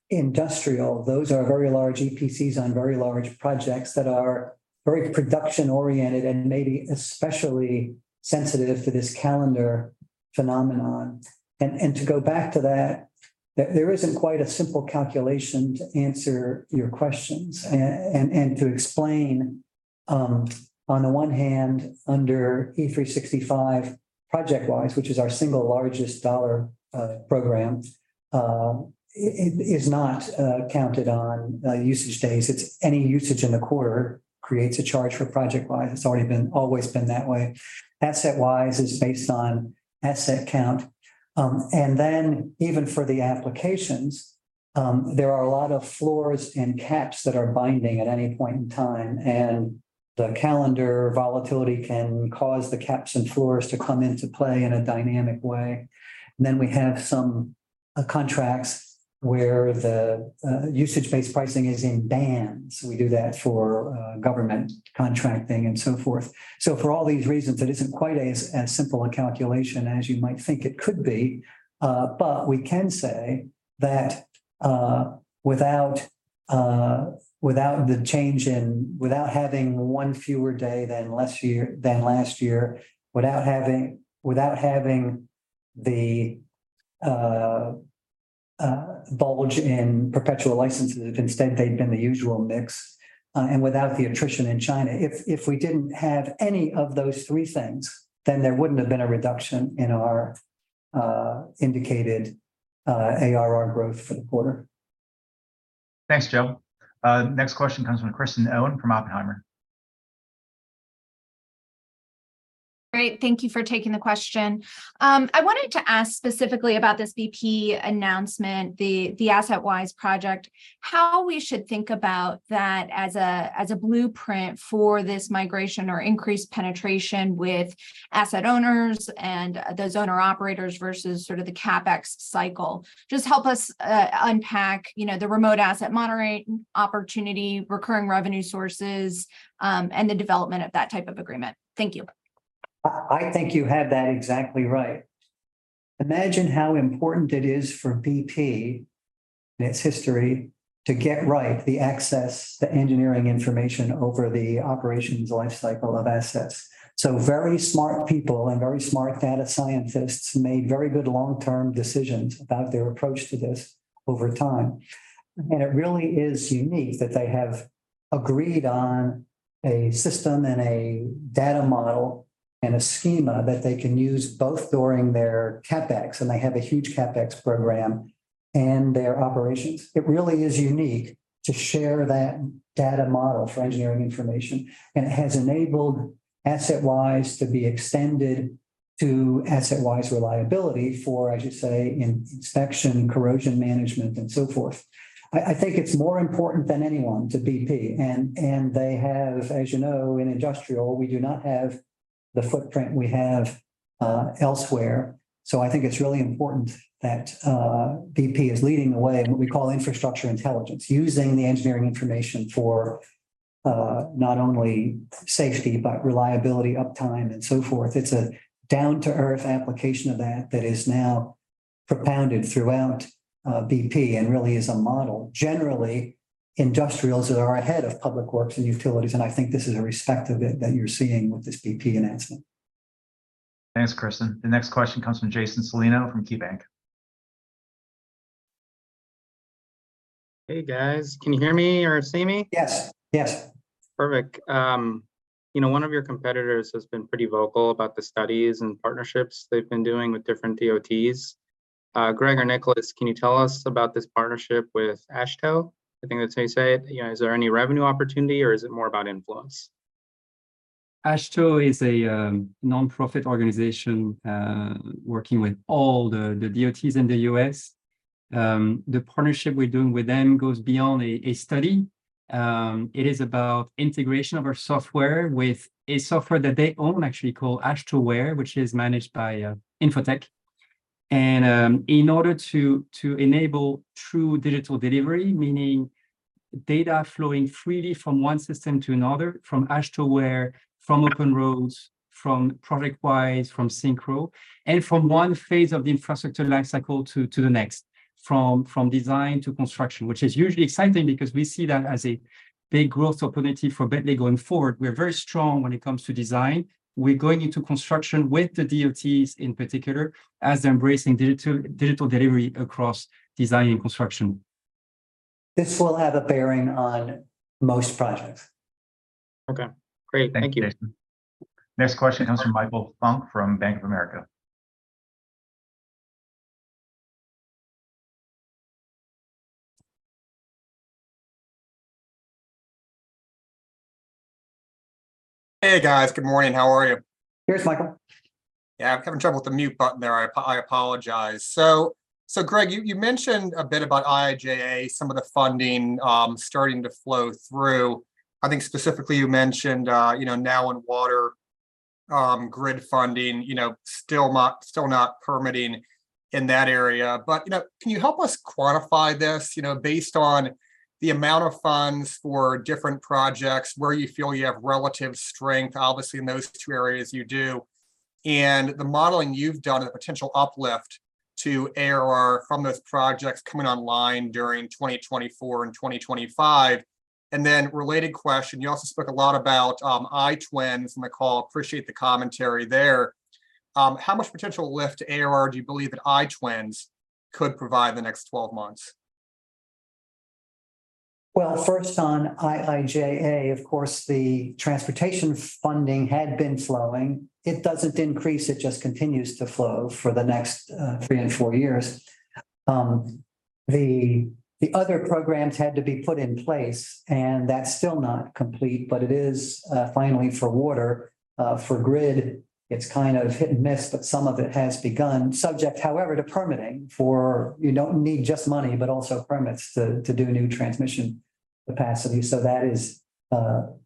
industrial, those are very large EPCs on very large projects that are very production-oriented and maybe especially sensitive to this calendar phenomenon. And to go back to that, there isn't quite a simple calculation to answer your questions. And to explain, on the one hand, under E365 ProjectWise, which is our single largest dollar program, it is not counted on usage days. It's any usage in the quarter creates a charge for ProjectWise. It's already been, always been that way. AssetWise is based on asset count. And then even for the applications, there are a lot of floors and caps that are binding at any point in time, and the calendar volatility can cause the caps and floors to come into play in a dynamic way. Then we have some contracts where the usage-based pricing is in bands. We do that for government contracting and so forth. So for all these reasons, it isn't quite as simple a calculation as you might think it could be. But we can say that without the change in—without having one fewer day than last year, than last year, without having the bulge in perpetual licenses, if instead they'd been the usual mix, and without the attrition in China, if we didn't have any of those three things, then there wouldn't have been a reduction in our indicated ARR growth for the quarter. Thanks Joe. Next question comes from Kristen Owen from Oppenheimer. Great, thank you for taking the question. I wanted to ask specifically about this BP announcement, the AssetWise project, how we should think about that as a blueprint for this migration or increased penetration with asset owners and those owner-operators versus sort of the CapEx cycle. Just help us unpack, you know, the remote asset monitoring opportunity, recurring revenue sources, and the development of that type of agreement. Thank you. I, I think you have that exactly right. Imagine how important it is for BP and its history to get right the access to engineering information over the operations lifecycle of assets. So very smart people and very smart data scientists made very good long-term decisions about their approach to this over time. And it really is unique that they have agreed on a system and a data model and a schema that they can use both during their CapEx, and they have a huge CapEx program, and their operations. It really is unique to share that data model for engineering information, and it has enabled AssetWise to be extended to AssetWise Reliability for, as you say, in inspection, corrosion management, and so forth. I, I think it's more important than anyone to BP, and, and they have... As you know in industrial, we do not have the footprint we have elsewhere. So I think it's really important that BP is leading the way in what we call infrastructure intelligence, using the engineering information for not only safety but reliability, uptime, and so forth. It's a down-to-earth application of that that is now propounded throughout BP and really is a model. Generally, industrials are ahead of public works and utilities, and I think this is a respect of it that you're seeing with this BP announcement. Thanks, Kristen. The next question comes from Jason Celino from KeyBanc. Hey, guys, can you hear me or see me? Yes. Yes. Perfect. You know, one of your competitors has been pretty vocal about the studies and partnerships they've been doing with different DOTs. Greg or Nicholas, can you tell us about this partnership with AASHTO? I think that's how you say it. You know, is there any revenue opportunity or is it more about influence? AASHTO is a non-profit organization, working with all the DOTs in the US. The partnership we're doing with them goes beyond a study. It is about integration of our software with a software that they own, actually, called AASHTOWare, which is managed by Infotech. In order to enable true digital delivery, meaning data flowing freely from one system to another, from AASHTOWare, from OpenRoads, from ProjectWise, from Synchro, and from one phase of the infrastructure lifecycle to the next, from design to construction, which is usually exciting because we see that as a big growth opportunity for Bentley going forward. We're very strong when it comes to design. We're going into construction with the DOTs in particular, as they're embracing digital delivery across design and construction. This will have a bearing on most projects. Okay, great. Thank you. Thank you Jason. Next question comes from Michael Funk from Bank of America. Hey guys. Good morning. How are you? Hey, Michael. Yeah, I'm having trouble with the mute button there. I apologize. So Greg, you mentioned a bit about IIJA, some of the funding starting to flow through. I think specifically you mentioned, you know, now on water, grid funding, you know, still not permitting in that area. But, you know, can you help us quantify this, you know, based on the amount of funds for different projects, where you feel you have relative strength, obviously, in those two areas you do, and the modeling you've done, the potential uplift to ARR from those projects coming online during 2024 and 2025? And then related question, you also spoke a lot about iTwins. And I appreciate the commentary there. How much potential lift to ARR do you believe that iTwins could provide in the next 12 months? Well, first on IIJA, of course, the transportation funding had been flowing. It doesn't increase, it just continues to flow for the next 3 and 4 years. The, the other programs had to be put in place, and that's still not complete, but it is finally for water. For grid, it's kind of hit and miss, but some of it has begun, subject, however, to permitting, for you don't need just money, but also permits to, to do new transmission capacity. So that is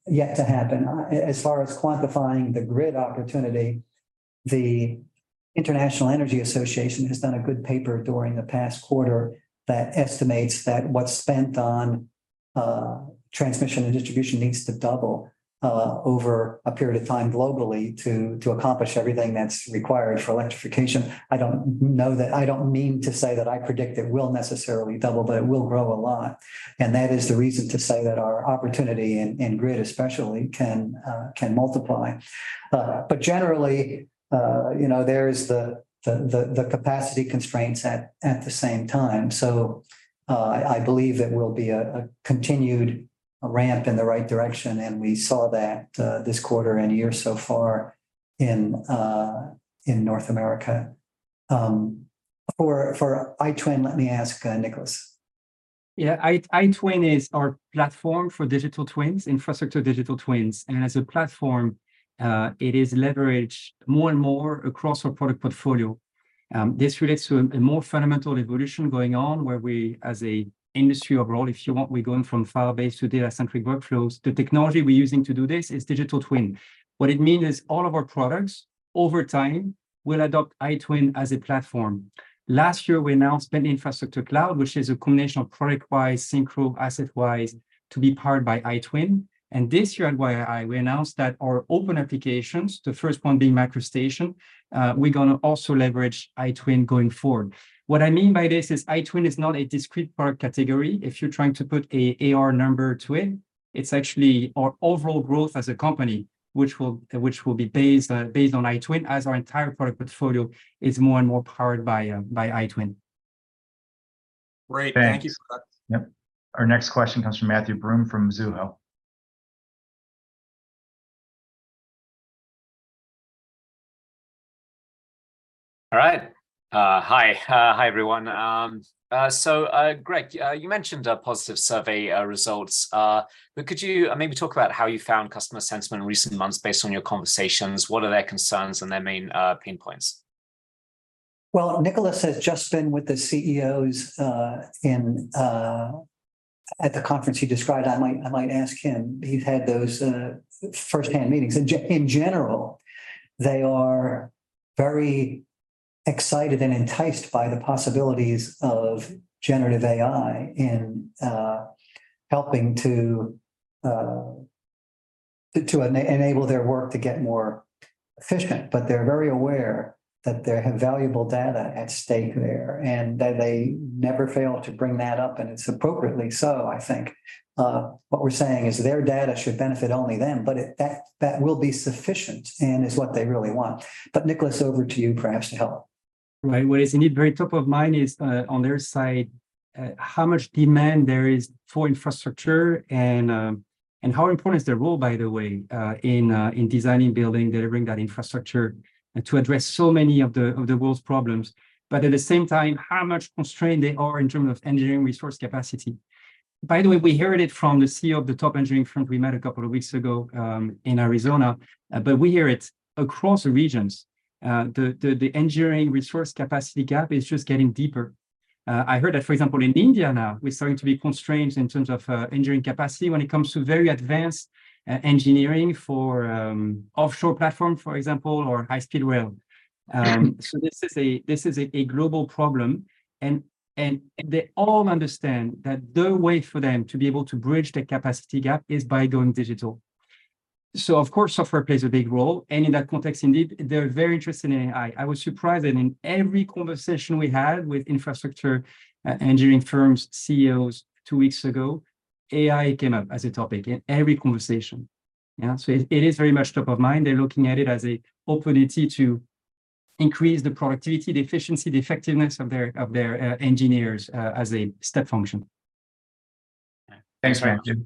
yet to happen. As far as quantifying the grid opportunity, the International Energy Agency has done a good paper during the past quarter that estimates that what's spent on transmission and distribution needs to double over a period of time globally to, to accomplish everything that's required for electrification. I don't mean to say that I predict it will necessarily double, but it will grow a lot. And that is the reason to say that our opportunity in Grid especially can multiply. But generally, you know, there's the capacity constraints at the same time. So I believe it will be a continued ramp in the right direction, and we saw that this quarter and year so far in North America. For iTwin, let me ask Nicholas. Yeah, iTwin is our platform for digital twins, infrastructure digital twins, and as a platform, it is leveraged more and more across our product portfolio. This relates to a more fundamental evolution going on, where we, as a industry overall, if you want, we're going from file-based to data-centric workflows. The technology we're using to do this is digital twin. What it mean is all of our products, over time, will adopt iTwin as a platform. Last year, we announced Bentley Infrastructure Cloud, which is a combination of ProjectWise, SYNCHRO, AssetWise, to be powered by iTwin. And this year at YII, we announced that our open applications, the first one being MicroStation, we're gonna also leverage iTwin going forward. What I mean by this is iTwin is not a discrete product category. If you're trying to put an ARR number to it, it's actually our overall growth as a company, which will be based on iTwin, as our entire product portfolio is more and more powered by iTwin. Great, thank you so much. Yep. Our next question comes from Matthew Broome, from Mizuho. All right. Hi, hi everyone. So Greg, you mentioned positive survey results. But could you maybe talk about how you found customer sentiment in recent months based on your conversations? What are their concerns and their main pain points? Well, Nicholas has just been with the CEOs at the conference he described. I might ask him. He's had those firsthand meetings. In general, they are very excited and enticed by the possibilities of generative AI in helping to enable their work to get more efficient. But they're very aware that they have valuable data at stake there, and that they never fail to bring that up, and it's appropriately so, I think. What we're saying is their data should benefit only them, but that will be sufficient and is what they really want. But Nicholas, over to you, perhaps, to help. Right. What is indeed very top of mind is, on their side, how much demand there is for infrastructure and, and how important is their role, by the way, in designing, building, delivering that infrastructure to address so many of the world's problems, but at the same time, how much constrained they are in terms of engineering resource capacity. By the way, we heard it from the CEO of the top engineering firm we met a couple of weeks ago, in Arizona, but we hear it across the regions. The engineering resource capacity gap is just getting deeper. I heard that, for example, in India now, we're starting to be constrained in terms of engineering capacity when it comes to very advanced engineering for offshore platform, for example, or high-speed rail. So this is a global problem, and they all understand that the way for them to be able to bridge the capacity gap is by going digital. So of course, software plays a big role, and in that context, indeed, they're very interested in AI. I was surprised that in every conversation we had with infrastructure engineering firms, CEOs two weeks ago, AI came up as a topic in every conversation. Yeah, so it is very much top of mind. They're looking at it as a opportunity to increase the productivity, the efficiency, the effectiveness of their engineers as a step function. Thanks, Matthew.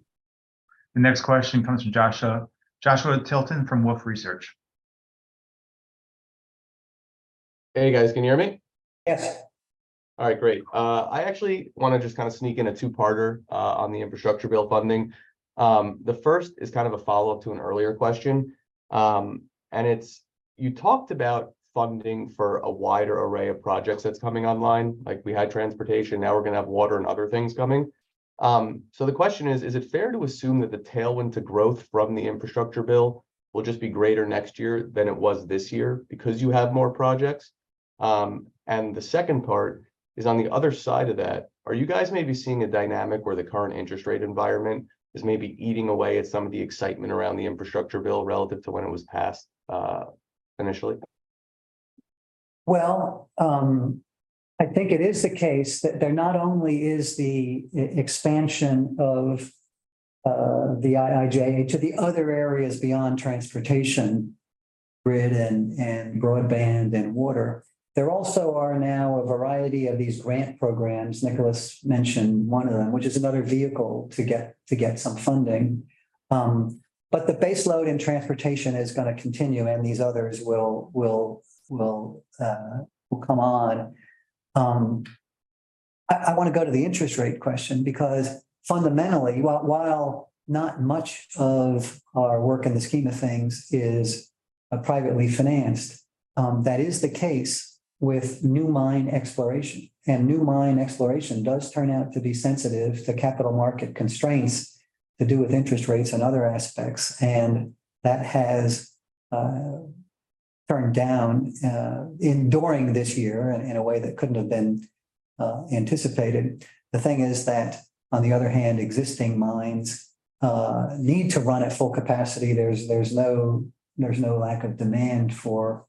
The next question comes from Joshua. Joshua Tilton from Wolfe Research. Hey guys, can you hear me? Yes. Yes. All right, great. I actually wanna just kind of sneak in a 2-parter on the infrastructure bill funding. The first is kind of a follow-up to an earlier question, and it's: you talked about funding for a wider array of projects that's coming online, like we had transportation, now we're gonna have water and other things coming. So the question is, is it fair to assume that the tailwind to growth from the infrastructure bill will just be greater next year than it was this year because you have more projects? And the second part is, on the other side of that, are you guys maybe seeing a dynamic where the current interest rate environment is maybe eating away at some of the excitement around the infrastructure bill relative to when it was passed initially? Well, I think it is the case that there not only is the expansion of the IIJA to the other areas beyond transportation, grid and broadband and water. There also are now a variety of these grant programs, Nicholas mentioned one of them, which is another vehicle to get some funding. But the base load in transportation is gonna continue, and these others will come on. I wanna go to the interest rate question because fundamentally, while not much of our work in the scheme of things is privately financed, that is the case with new mine exploration. And new mine exploration does turn out to be sensitive to capital market constraints... To do with interest rates and other aspects, and that has turned down during this year in a way that couldn't have been anticipated. The thing is that, on the other hand, existing mines need to run at full capacity. There's no lack of demand for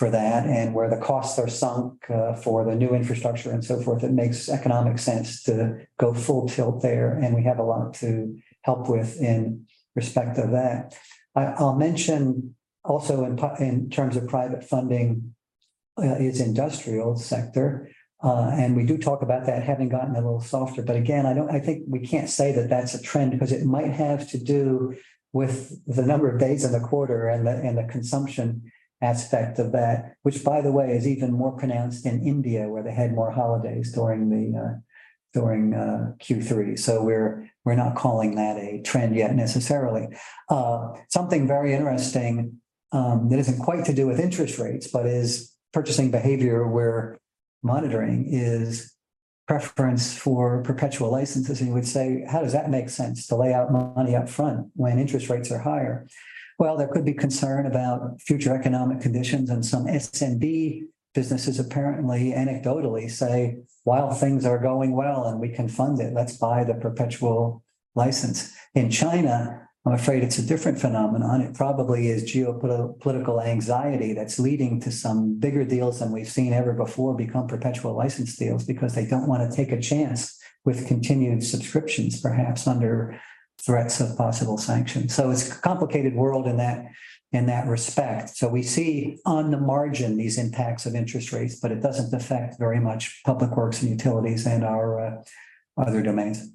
that. And where the costs are sunk for the new infrastructure and so forth, it makes economic sense to go full tilt there, and we have a lot to help with in respect of that. I'll mention also in terms of private funding is industrial sector. And we do talk about that having gotten a little softer. But again, I don't think we can't say that that's a trend, because it might have to do with the number of days in the quarter and the and the consumption aspect of that, which, by the way, is even more pronounced in India, where they had more holidays during Q3. So we're not calling that a trend yet necessarily. Something very interesting that isn't quite to do with interest rates, but is purchasing behavior we're monitoring is preference for perpetual licenses. You would say: "How does that make sense to lay out money up front when interest rates are higher?" Well, there could be concern about future economic conditions, and some SMB businesses apparently anecdotally say, "While things are going well and we can fund it, let's buy the perpetual license." In China, I'm afraid it's a different phenomenon. It probably is geopolitical anxiety that's leading to some bigger deals than we've seen ever before become perpetual license deals, because they don't wanna take a chance with continued subscriptions, perhaps under threats of possible sanctions. So it's a complicated world in that, in that respect. So we see on the margin these impacts of interest rates, but it doesn't affect very much public works and utilities and our other domains.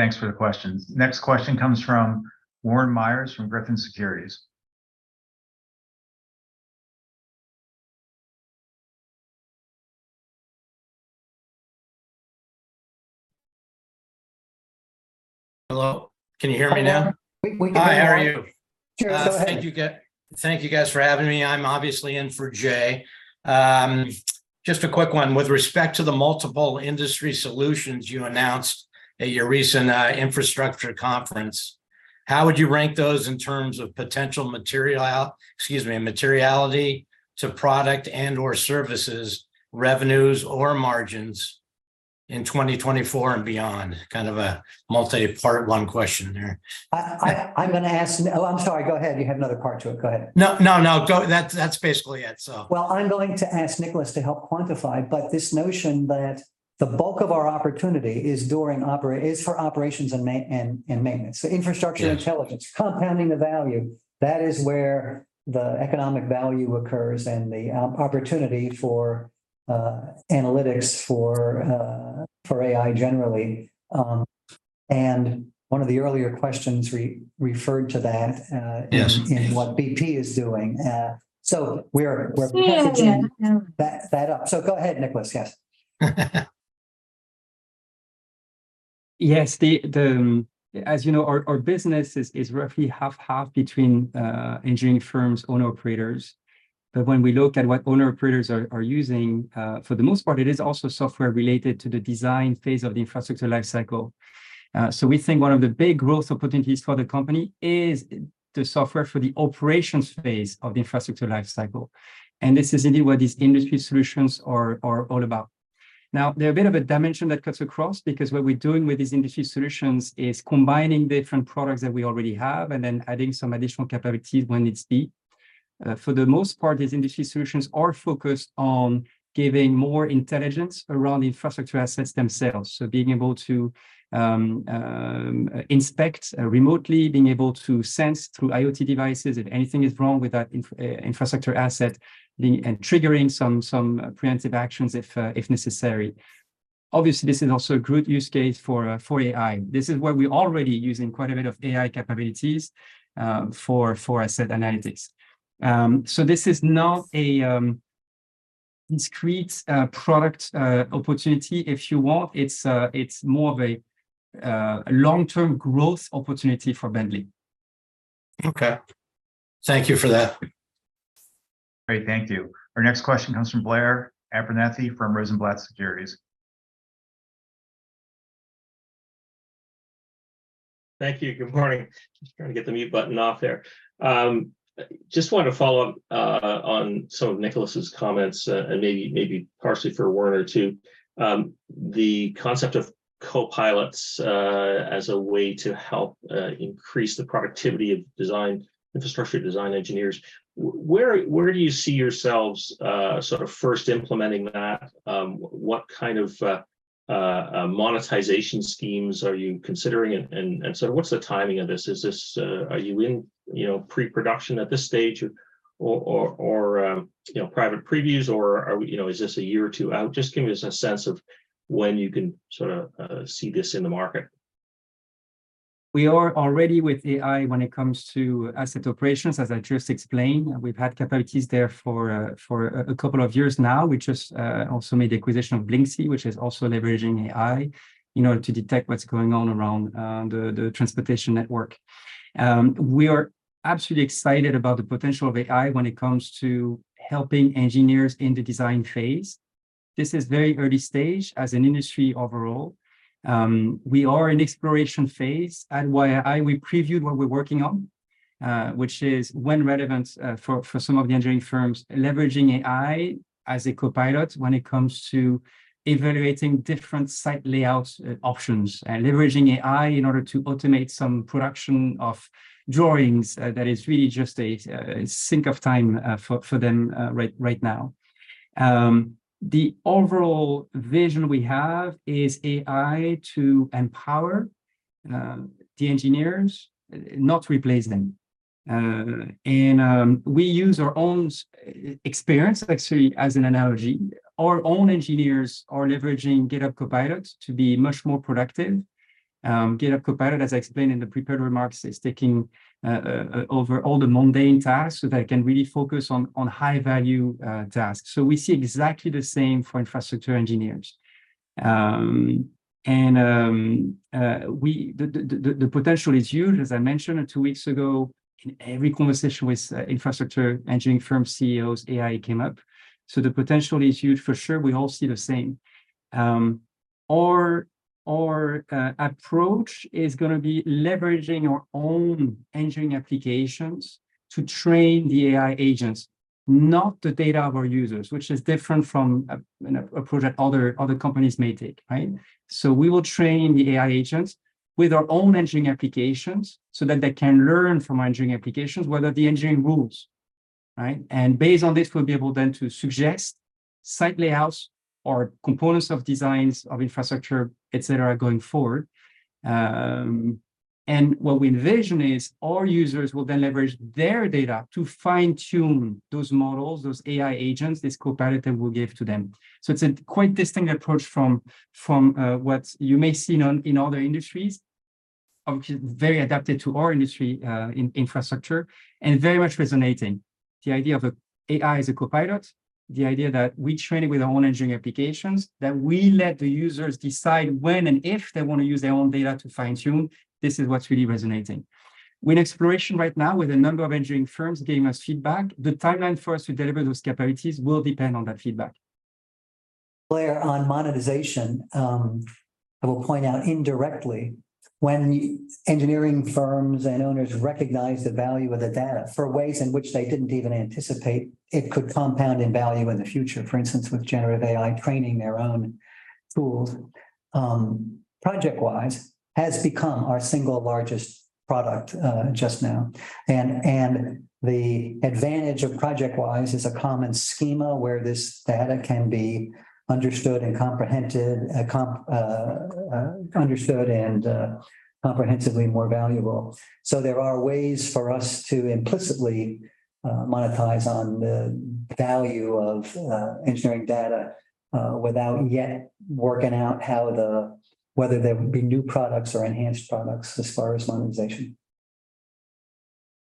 Thanks for the questions. Next question comes from Warren Myers, from Griffin Securities. Hello, can you hear me now? Hello. We can hear you. Hi, how are you? Sure, go ahead. Thank you guys for having me. I'm obviously in for Jay. Just a quick one. With respect to the multiple industry solutions you announced at your recent infrastructure conference, how would you rank those in terms of potential material- excuse me, materiality to product and/or services, revenues or margins in 2024 and beyond? Kind of a multi-part one question there. Oh, I'm sorry. Go ahead. You had another part to it. Go ahead. No, no, no, go, that's, that's basically it, so. Well, I'm going to ask Nicholas to help quantify, but this notion that the bulk of our opportunity is during operations and maintenance. Yes. So infrastructure intelligence, compounding the value, that is where the economic value occurs and the opportunity for AI generally. And 1 of the earlier questions referred to that. Yes... in what BP is doing. So we're, we're- Yeah, yeah, yeah... packaging that, that up. So go ahead, Nicholas, yes. Yes, as you know our business is roughly half-half between engineering firms, owner-operators. But when we look at what owner-operators are using, for the most part, it is also software related to the design phase of the infrastructure life cycle. So we think one of the big growth opportunities for the company is the software for the operations phase of the infrastructure life cycle, and this is indeed what these industry solutions are all about. Now, they're a bit of a dimension that cuts across, because what we're doing with these industry solutions is combining different products that we already have and then adding some additional capabilities when need be. For the most part, these industry solutions are focused on giving more intelligence around infrastructure assets themselves. So being able to inspect remotely, being able to sense through IoT devices if anything is wrong with that infrastructure asset, and triggering some preemptive actions if necessary. Obviously, this is also a good use case for AI. This is where we're already using quite a bit of AI capabilities for asset analytics. So this is not a discrete product opportunity if you want. It's more of a long-term growth opportunity for Bentley. Okay. Thank you for that. Great, thank you. Our next question comes from Blair Abernethy, from Rosenblatt Securities. Thank you. Good morning. Just trying to get the mute button off there. Just wanted to follow up on some of Nicholas's comments, and maybe, maybe partially for a word or two. The concept of co-pilots as a way to help increase the productivity of design-infrastructure design engineers, where, where do you see yourselves sort of first implementing that? What kind of monetization schemes are you considering? And, and, and so what's the timing of this? Is this... Are you in, you know pre-production at this stage or, or, or, your private previews, or are, you know, is this a year or two out? Just give us a sense of when you can sort of see this in the market. We are already with AI when it comes to asset operations, as I just explained. We've had capabilities there for a couple of years now. We just also made the acquisition of Blyncsy, which is also leveraging AI, in order to detect what's going on around the transportation network. We are absolutely excited about the potential of AI when it comes to helping engineers in the design phase.... This is very early stage as an industry overall. We are in exploration phase, at YII, we previewed what we're working on, which is when relevant, for some of the engineering firms, leveraging AI as a copilot when it comes to evaluating different site layout options, and leveraging AI in order to automate some production of drawings, that is really just a sink of time, for them, right now. The overall vision we have is AI to empower the engineers, not replace them. And, we use our own experience actually as an analogy. Our own engineers are leveraging GitHub Copilot to be much more productive. GitHub Copilot, as I explained in the prepared remarks, is taking over all the mundane tasks so they can really focus on high-value tasks. So we see exactly the same for infrastructure engineers. The potential is huge. As I mentioned 2 weeks ago, in every conversation with infrastructure engineering firm CEOs, AI came up, so the potential is huge for sure, we all see the same. Our approach is gonna be leveraging our own engineering applications to train the AI agents, not the data of our users, which is different from a you know approach that other companies may take, right? So we will train the AI agents with our own engineering applications so that they can learn from our engineering applications what are the engineering rules, right? Based on this, we'll be able then to suggest site layouts or components of designs of infrastructure, et cetera, going forward. And what we envision is our users will then leverage their data to fine-tune those models, those AI agents, this copilot will give to them. So it's a quite distinct approach from what you may see in other industries, obviously very adapted to our industry in infrastructure, and very much resonating. The idea of an AI as a copilot, the idea that we train it with our own engineering applications, that we let the users decide when and if they want to use their own data to fine-tune, this is what's really resonating. We're in exploration right now with a number of engineering firms giving us feedback. The timeline for us to deliver those capabilities will depend on that feedback. layer on monetization, I will point out indirectly, when engineering firms and owners recognize the value of the data for ways in which they didn't even anticipate, it could compound in value in the future. For instance, with generative AI training their own tools, ProjectWise has become our single largest product, just now. And the advantage of ProjectWise is a common schema where this data can be understood and comprehended, understood and comprehensively more valuable. So there are ways for us to implicitly monetize on the value of engineering data without yet working out how the whether there would be new products or enhanced products as far as monetization.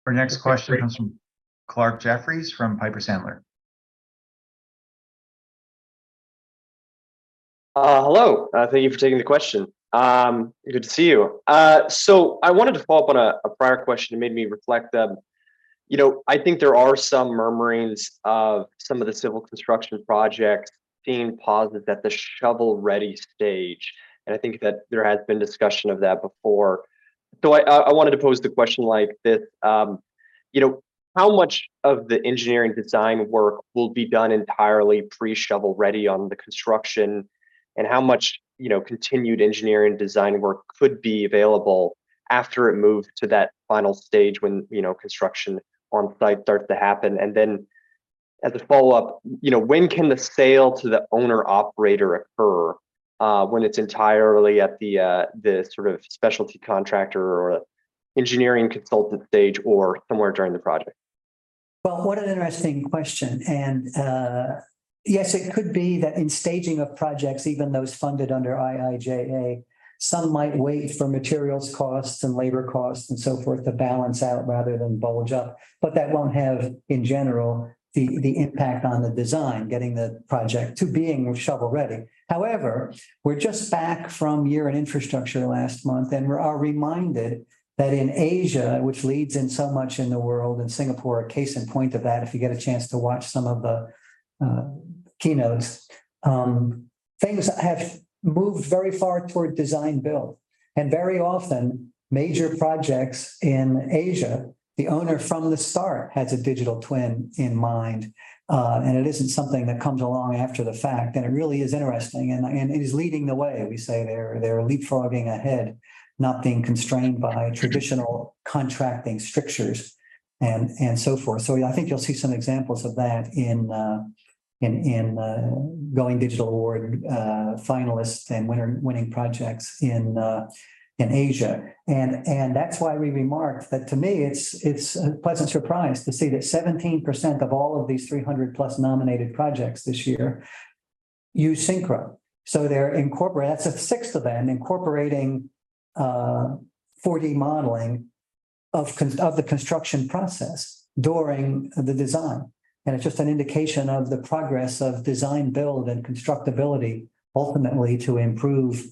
Our next question comes from Clarke Jeffries from Piper Sandler. Hello, thank you for taking the question. Good to see you. So I wanted to follow up on a prior question that made me reflect that, you know, I think there are some murmurings of some of the civil construction projects being paused at the shovel-ready stage, and I think that there has been discussion of that before. I wanted to pose the question like this, you know, how much of the engineering design work will be done entirely pre-shovel ready on the construction? And how much, you know, continued engineering design work could be available after it moved to that final stage when, you know, construction on site starts to happen? And then as a follow-up, you know, when can the sale to the owner-operator occur, when it's entirely at the, the sort of specialty contractor or engineering consultant stage, or somewhere during the project? Well, what an interesting question, and, yes, it could be that in staging of projects, even those funded under IIJA, some might wait for materials costs and labor costs and so forth to balance out rather than bulge up, but that won't have, in general, the, the impact on the design, getting the project to being shovel-ready. However, we're just back from Year in Infrastructure last month, and we are reminded that in Asia, which leads in so much in the world, and Singapore, a case in point of that, if you get a chance to watch some of the, keynotes, things have moved very far toward design-build. Very often, major projects in Asia, the owner from the start has a digital twin in mind, and it isn't something that comes along after the fact, and it really is interesting, and it is leading the way. We say they're leapfrogging ahead, not being constrained by traditional contracting strictures and so forth. So I think you'll see some examples of that in the Going Digital Award finalists and winning projects in Asia. And that's why we remarked that to me, it's a pleasant surprise to see that 17% of all of these 300+ nominated projects this year use Synchro. So that's a sixth of them, incorporating 4D modeling of the construction process during the design. And it's just an indication of the progress of design build and constructability, ultimately to improve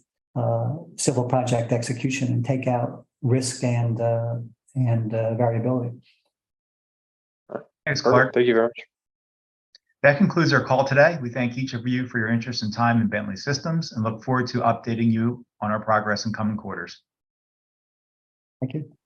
civil project execution and take out risk and, and variability. Thanks, Greg. Thank you very much. That concludes our call today. We thank each of you for your interest and time in Bentley Systems, and look forward to updating you on our progress in coming quarters. Thank you.